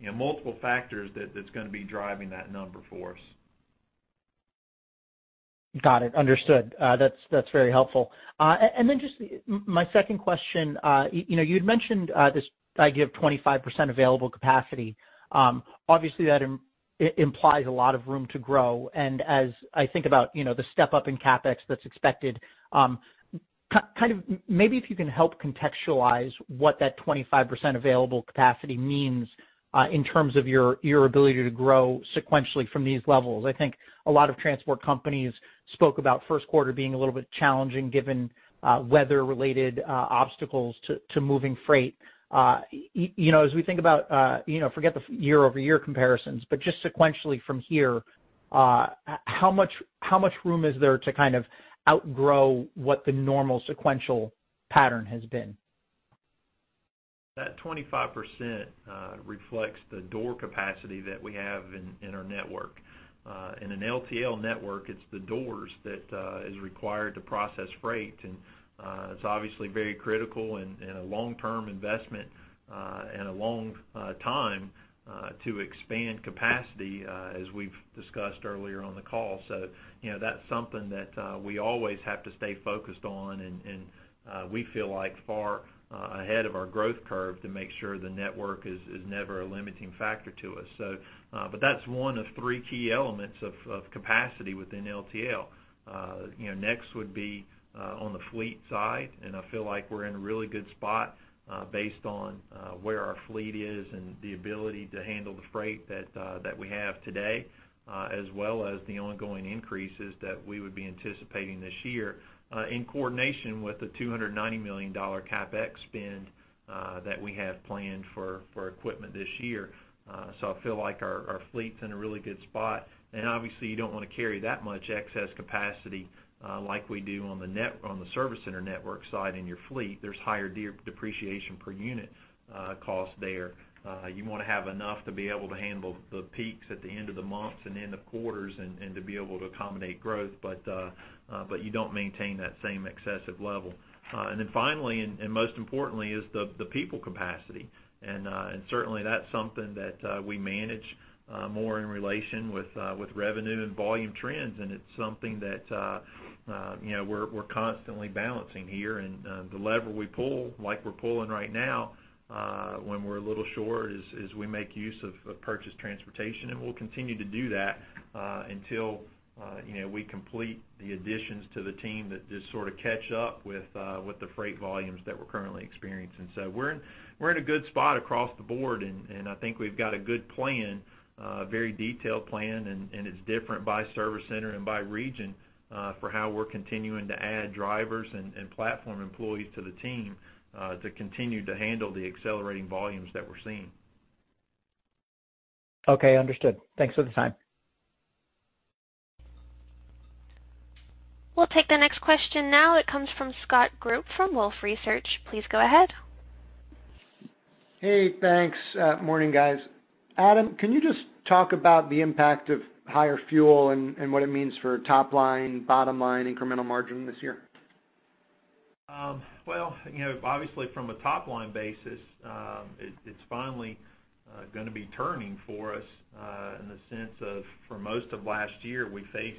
Multiple factors that's going to be driving that number for us. Got it. Understood. That's very helpful. Then just my second question. You'd mentioned this idea of 25% available capacity. Obviously, that implies a lot of room to grow. As I think about the step-up in CapEx that's expected, maybe if you can help contextualize what that 25% available capacity means in terms of your ability to grow sequentially from these levels. I think a lot of transport companies spoke about first quarter being a little bit challenging given weather-related obstacles to moving freight. As we think about, forget the year-over-year comparisons, but just sequentially from here, how much room is there to outgrow what the normal sequential pattern has been? That 25% reflects the door capacity that we have in our network. In an LTL network, it's the doors that is required to process freight and it's obviously very critical and a long-term investment and a long time to expand capacity, as we've discussed earlier on the call. That's something that we always have to stay focused on, and we feel like far ahead of our growth curve to make sure the network is never a limiting factor to us. That's one of three key elements of capacity within LTL. Next would be on the fleet side, and I feel like we're in a really good spot based on where our fleet is and the ability to handle the freight that we have today, as well as the ongoing increases that we would be anticipating this year in coordination with the $290 million CapEx spend that we have planned for equipment this year. I feel like our fleet's in a really good spot. Obviously, you don't want to carry that much excess capacity like we do on the service center network side in your fleet. There's higher depreciation per unit cost there. You want to have enough to be able to handle the peaks at the end of the months and end of quarters and to be able to accommodate growth, but you don't maintain that same excessive level. Finally, and most importantly, is the people capacity. Certainly, that's something that we manage more in relation with revenue and volume trends, and it's something that we're constantly balancing here. The lever we pull, like we're pulling right now when we're a little short, is we make use of purchased transportation, and we'll continue to do that until we complete the additions to the team that just sort of catch up with the freight volumes that we're currently experiencing. We're in a good spot across the board, and I think we've got a good plan, a very detailed plan, and it's different by service center and by region, for how we're continuing to add drivers and platform employees to the team to continue to handle the accelerating volumes that we're seeing. Okay, understood. Thanks for the time. We'll take the next question now. It comes from Scott Group from Wolfe Research. Please go ahead. Hey, thanks. Morning, guys. Adam, can you just talk about the impact of higher fuel and what it means for top line, bottom line, incremental margin this year? Obviously from a top-line basis, it's finally going to be turning for us in the sense of for most of last year, we faced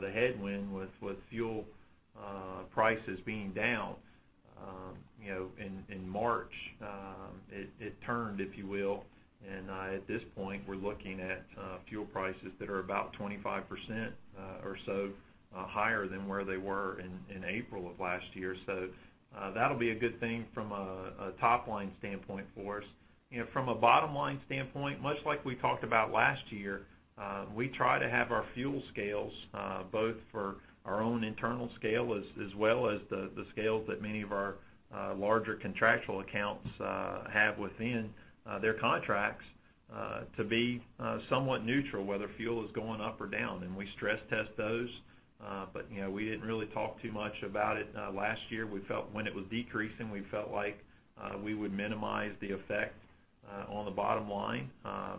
the headwind with fuel prices being down. In March, it turned, if you will, and at this point, we're looking at fuel prices that are about 25% or so higher than where they were in April of last year. That'll be a good thing from a top-line standpoint for us. From a bottom-line standpoint, much like we talked about last year, we try to have our fuel scales both for our own internal scale as well as the scales that many of our larger contractual accounts have within their contracts to be somewhat neutral, whether fuel is going up or down, and we stress test those. We didn't really talk too much about it last year. When it was decreasing, we felt like we would minimize the effect on the bottom line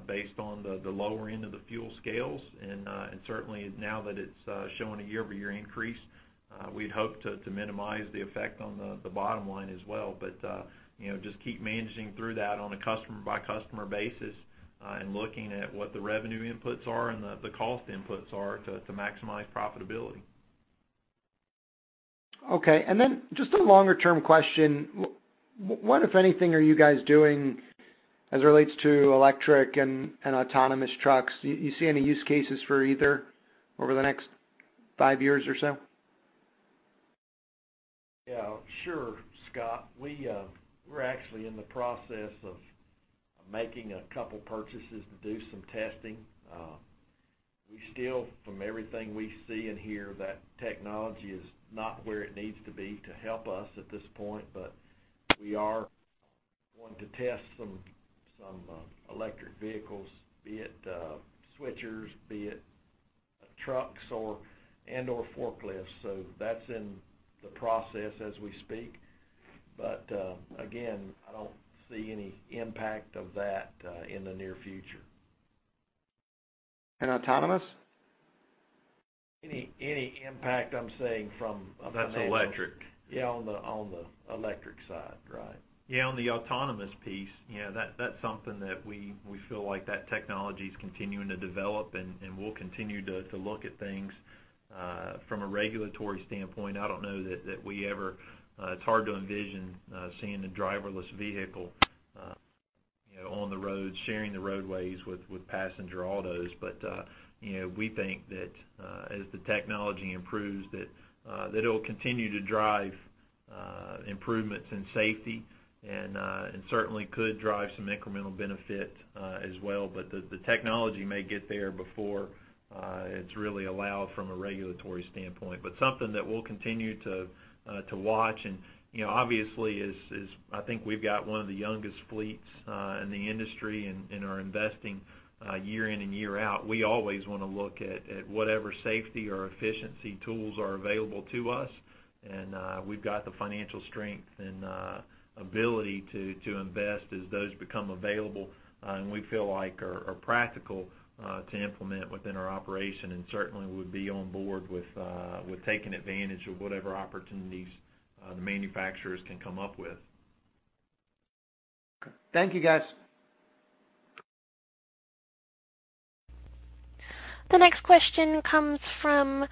based on the lower end of the fuel scales, and certainly now that it's showing a year-over-year increase, we'd hope to minimize the effect on the bottom line as well. Just keep managing through that on a customer-by-customer basis and looking at what the revenue inputs are and the cost inputs are to maximize profitability. Okay. Just a longer-term question. What, if anything, are you guys doing as it relates to electric and autonomous trucks? Do you see any use cases for either over the next five years or so? Yeah. Sure, Scott. We're actually in the process of making a couple purchases to do some testing. We still, from everything we see and hear, that technology is not where it needs to be to help us at this point, but we are going to test some electric vehicles, be it switchers, be it trucks and/or forklifts. That's in the process as we speak. Again, I don't see any impact of that in the near future. Autonomous? Any impact I'm saying from. That's electric. Yeah, on the electric side. Right. On the autonomous piece, that's something that we feel like that technology's continuing to develop. We'll continue to look at things from a regulatory standpoint. It's hard to envision seeing a driverless vehicle on the road, sharing the roadways with passenger autos. We think that as the technology improves, that it'll continue to drive improvements in safety and certainly could drive some incremental benefit as well. The technology may get there before it's really allowed from a regulatory standpoint. Something that we'll continue to watch and obviously, I think we've got one of the youngest fleets in the industry and are investing year in and year out. We always want to look at whatever safety or efficiency tools are available to us. We've got the financial strength and ability to invest as those become available and we feel like are practical to implement within our operation, and certainly would be on board with taking advantage of whatever opportunities the manufacturers can come up with. Thank you, guys. The next question comes from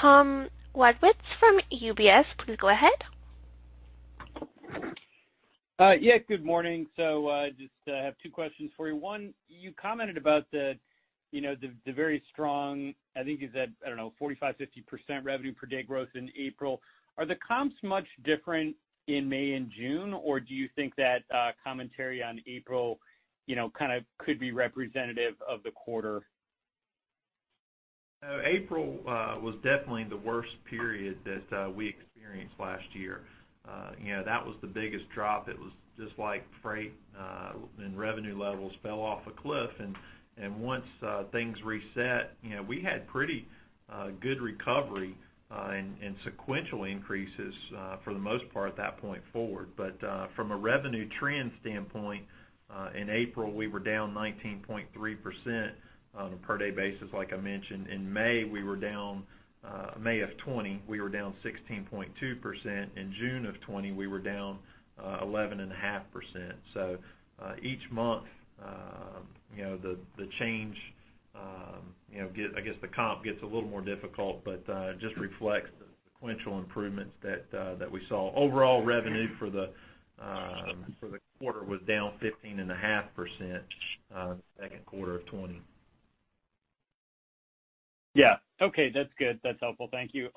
Tom Wadewitz from UBS. Please go ahead. Yeah. Good morning. Just have two questions for you. One, you commented about the very strong, I think you said, I don't know, 45%-50% revenue per-day growth in April. Are the comps much different in May and June, or do you think that commentary on April could be representative of the quarter? April was definitely the worst period that we experienced last year. That was the biggest drop. It was just like freight and revenue levels fell off a cliff. Once things reset, we had pretty good recovery and sequential increases for the most part at that point forward. From a revenue trend standpoint, in April, we were down 19.3% on a per-day basis, like I mentioned. In May of 2020, we were down 16.2%. In June of 2020, we were down 11.5%. Each month, the comp gets a little more difficult. It just reflects the sequential improvements that we saw. Overall revenue for the quarter was down 15.5% second quarter of 2020. Yeah. Okay. That's good. That's helpful. Thank you.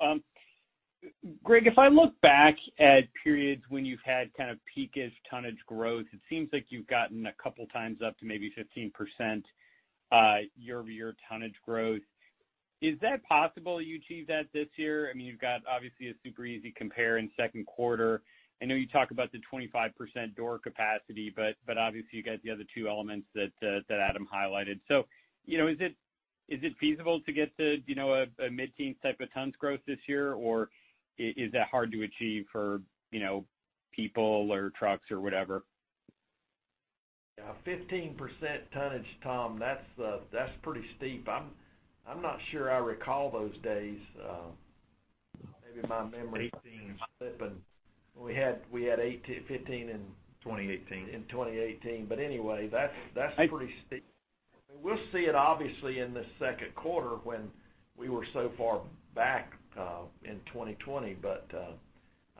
Greg, if I look back at periods when you've had peak-ish tonnage growth, it seems like you've gotten a couple times up to maybe 15% year-over-year tonnage growth. Is that possible you achieve that this year? You've got obviously a super easy compare in second quarter. I know you talk about the 25% door capacity, but obviously you got the other two elements that Adam highlighted. Is it feasible to get a mid-teens type of tons growth this year, or is that hard to achieve for people or trucks or whatever? Yeah. 15% tonnage, Tom, that's pretty steep. I'm not sure I recall those days. 2018. My memory is slipping. We had 15%. 2018 in 2018. Anyway, that's pretty steep. We'll see it obviously in the second quarter when we were so far back in 2020.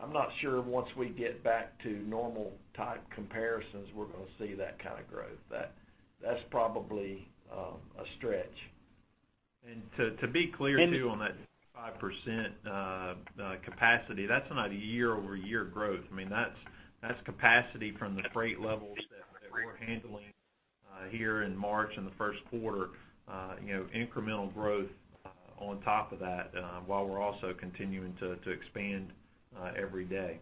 I'm not sure once we get back to normal type comparisons, we're going to see that kind of growth. That's probably a stretch. To be clear too on that 25% capacity, that's not a year-over-year growth. That's capacity from the freight levels that we're handling here in March in the first quarter, incremental growth on top of that while we're also continuing to expand every day.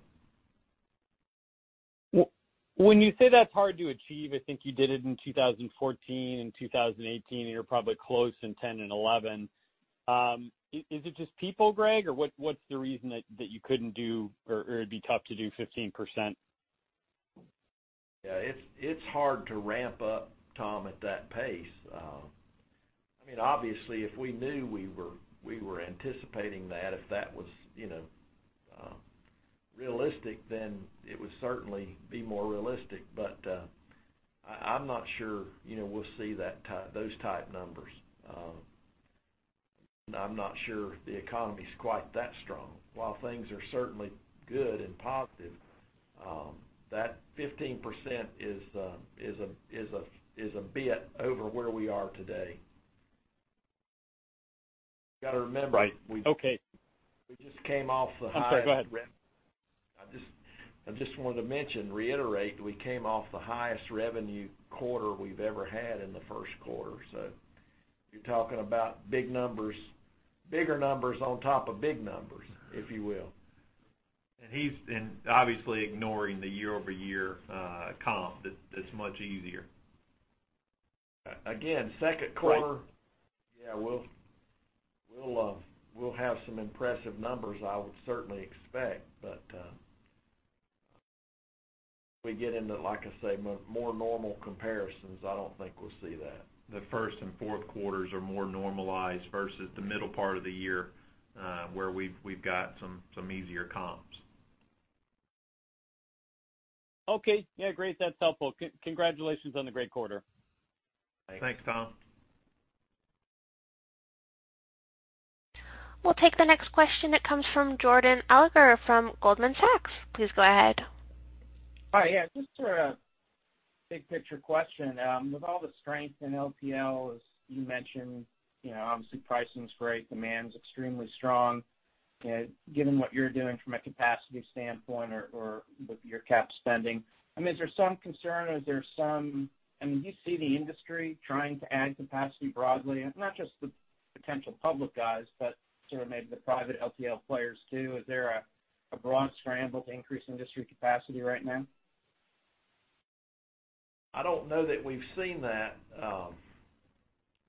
When you say that's hard to achieve, I think you did it in 2014 and 2018, and you're probably close in 2010 and 2011. Is it just people, Greg? What's the reason that you couldn't do, or it'd be tough to do 15%? Yeah. It's hard to ramp up, Tom, at that pace. Obviously, if we knew we were anticipating that, if that was realistic, then it would certainly be more realistic. I'm not sure we'll see those type of numbers. I'm not sure the economy's quite that strong. While things are certainly good and positive, that 15% is a bit over where we are today. You got to remember. Right. Okay. We just came off the high- I'm sorry, go ahead. I just wanted to mention, reiterate, we came off the highest revenue quarter we've ever had in the first quarter. You're talking about bigger numbers on top of big numbers, if you will. He's been obviously ignoring the year-over-year comp that's much easier. Second quarter, we'll have some impressive numbers, I would certainly expect. We get into, like I say, more normal comparisons, I don't think we'll see that. The first and fourth quarters are more normalized versus the middle part of the year, where we've got some easier comps. Okay. Yeah, great. That's helpful. Congratulations on the great quarter. Thanks. Thanks, Tom. We'll take the next question that comes from Jordan Alliger from Goldman Sachs. Please go ahead. Hi. Yeah. Just a big picture question. With all the strength in LTL, as you mentioned, obviously pricing's great, demand's extremely strong. Given what you're doing from a capacity standpoint or with your cap spending, is there some concern or is there some You see the industry trying to add capacity broadly, and not just the potential public guys, but sort of maybe the private LTL players, too? Is there a broad scramble to increase industry capacity right now? I don't know that we've seen that,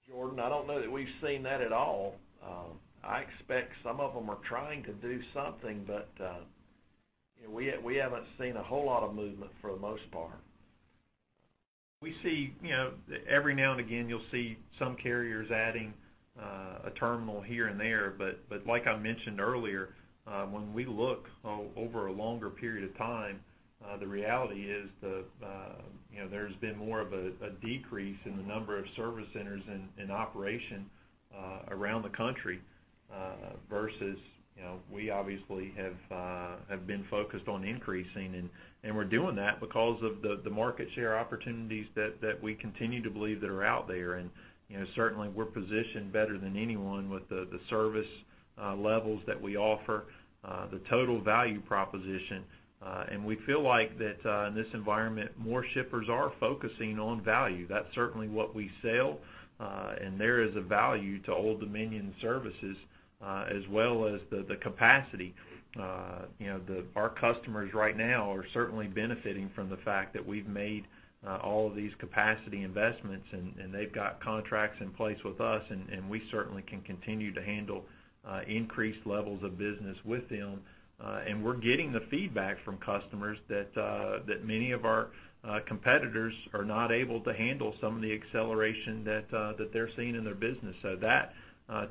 Jordan. I don't know that we've seen that at all. I expect some of them are trying to do something, but we haven't seen a whole lot of movement for the most part. We see, every now and again you'll see some carriers adding a terminal here and there. Like I mentioned earlier, when we look over a longer period of time, the reality is there's been more of a decrease in the number of service centers in operation around the country, versus we obviously have been focused on increasing. We're doing that because of the market share opportunities that we continue to believe that are out there. Certainly, we're positioned better than anyone with the service levels that we offer, the total value proposition. We feel like that in this environment, more shippers are focusing on value. That's certainly what we sell. There is a value to Old Dominion services as well as the capacity. Our customers right now are certainly benefiting from the fact that we've made all of these capacity investments, and they've got contracts in place with us, and we certainly can continue to handle increased levels of business with them. We're getting the feedback from customers that many of our competitors are not able to handle some of the acceleration that they're seeing in their business. That,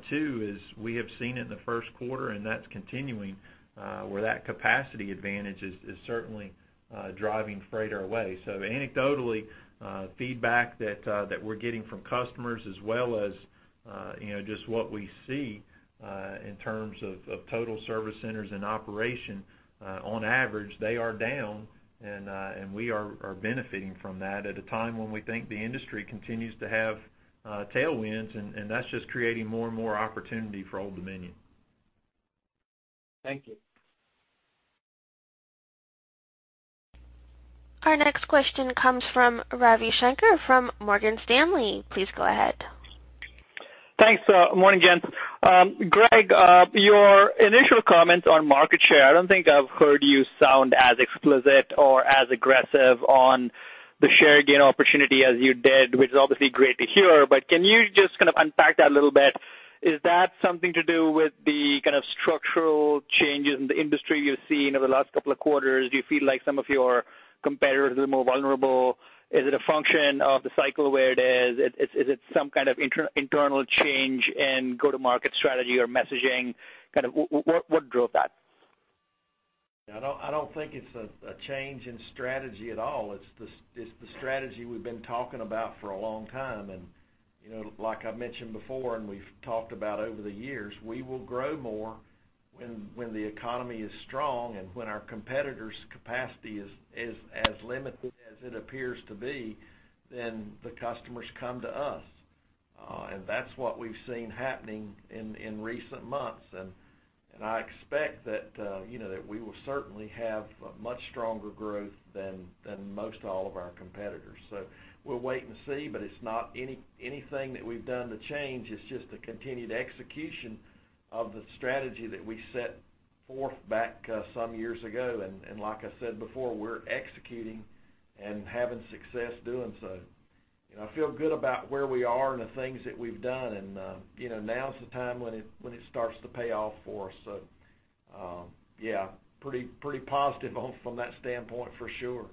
too, is we have seen it in the first quarter, and that's continuing, where that capacity advantage is certainly driving freight our way. Anecdotally, feedback that we're getting from customers as well as just what we see in terms of total service centers in operation, on average, they are down, and we are benefiting from that at a time when we think the industry continues to have tailwinds, and that's just creating more and more opportunity for Old Dominion. Thank you. Our next question comes from Ravi Shanker from Morgan Stanley. Please go ahead. Thanks. Morning, gents. Greg, your initial comments on market share, I don't think I've heard you sound as explicit or as aggressive on the share gain opportunity as you did, which is obviously great to hear, but can you just kind of unpack that a little bit? Is that something to do with the kind of structural changes in the industry you've seen over the last couple of quarters? Do you feel like some of your competitors are more vulnerable? Is it a function of the cycle where it is? Is it some kind of internal change in go-to-market strategy or messaging? What drove that? I don't think it's a change in strategy at all. It's the strategy we've been talking about for a long time. Like I mentioned before and we've talked about over the years, we will grow more when the economy is strong and when our competitors' capacity is as limited as it appears to be, then the customers come to us. That's what we've seen happening in recent months. I expect that we will certainly have much stronger growth than most all of our competitors. We'll wait and see, but it's not anything that we've done to change. It's just a continued execution of the strategy that we set forth back some years ago. Like I said before, we're executing and having success doing so. I feel good about where we are and the things that we've done, now's the time when it starts to pay off for us. Yeah, pretty positive from that standpoint, for sure.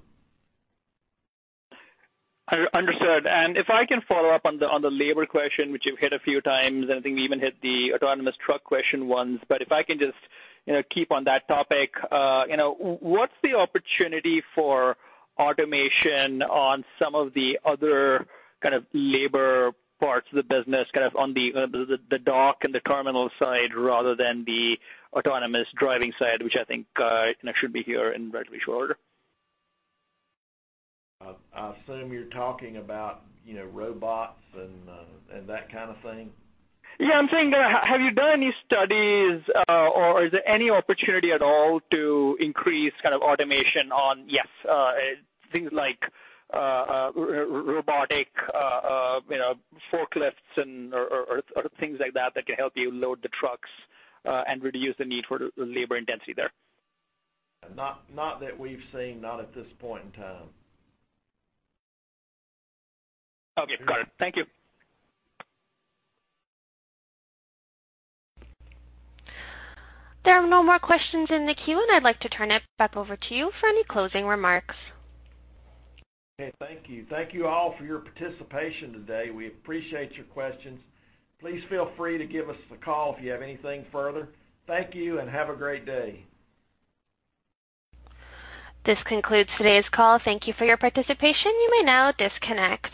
Understood. If I can follow up on the labor question, which you've hit a few times, and I think we even hit the autonomous truck question once, but if I can just keep on that topic. What's the opportunity for automation on some of the other labor parts of the business, on the dock and the terminal side rather than the autonomous driving side, which I think should be here in relatively short order? I assume you're talking about robots and that kind of thing? Yeah. I'm saying have you done any studies or is there any opportunity at all to increase automation on, yes, things like robotic forklifts or things like that that can help you load the trucks and reduce the need for labor intensity there? Not that we've seen. Not at this point in time. Okay. Got it. Thank you. There are no more questions in the queue, and I'd like to turn it back over to you for any closing remarks. Okay. Thank you. Thank you all for your participation today. We appreciate your questions. Please feel free to give us a call if you have anything further. Thank you, and have a great day. This concludes today's call. Thank you for your participation. You may now disconnect.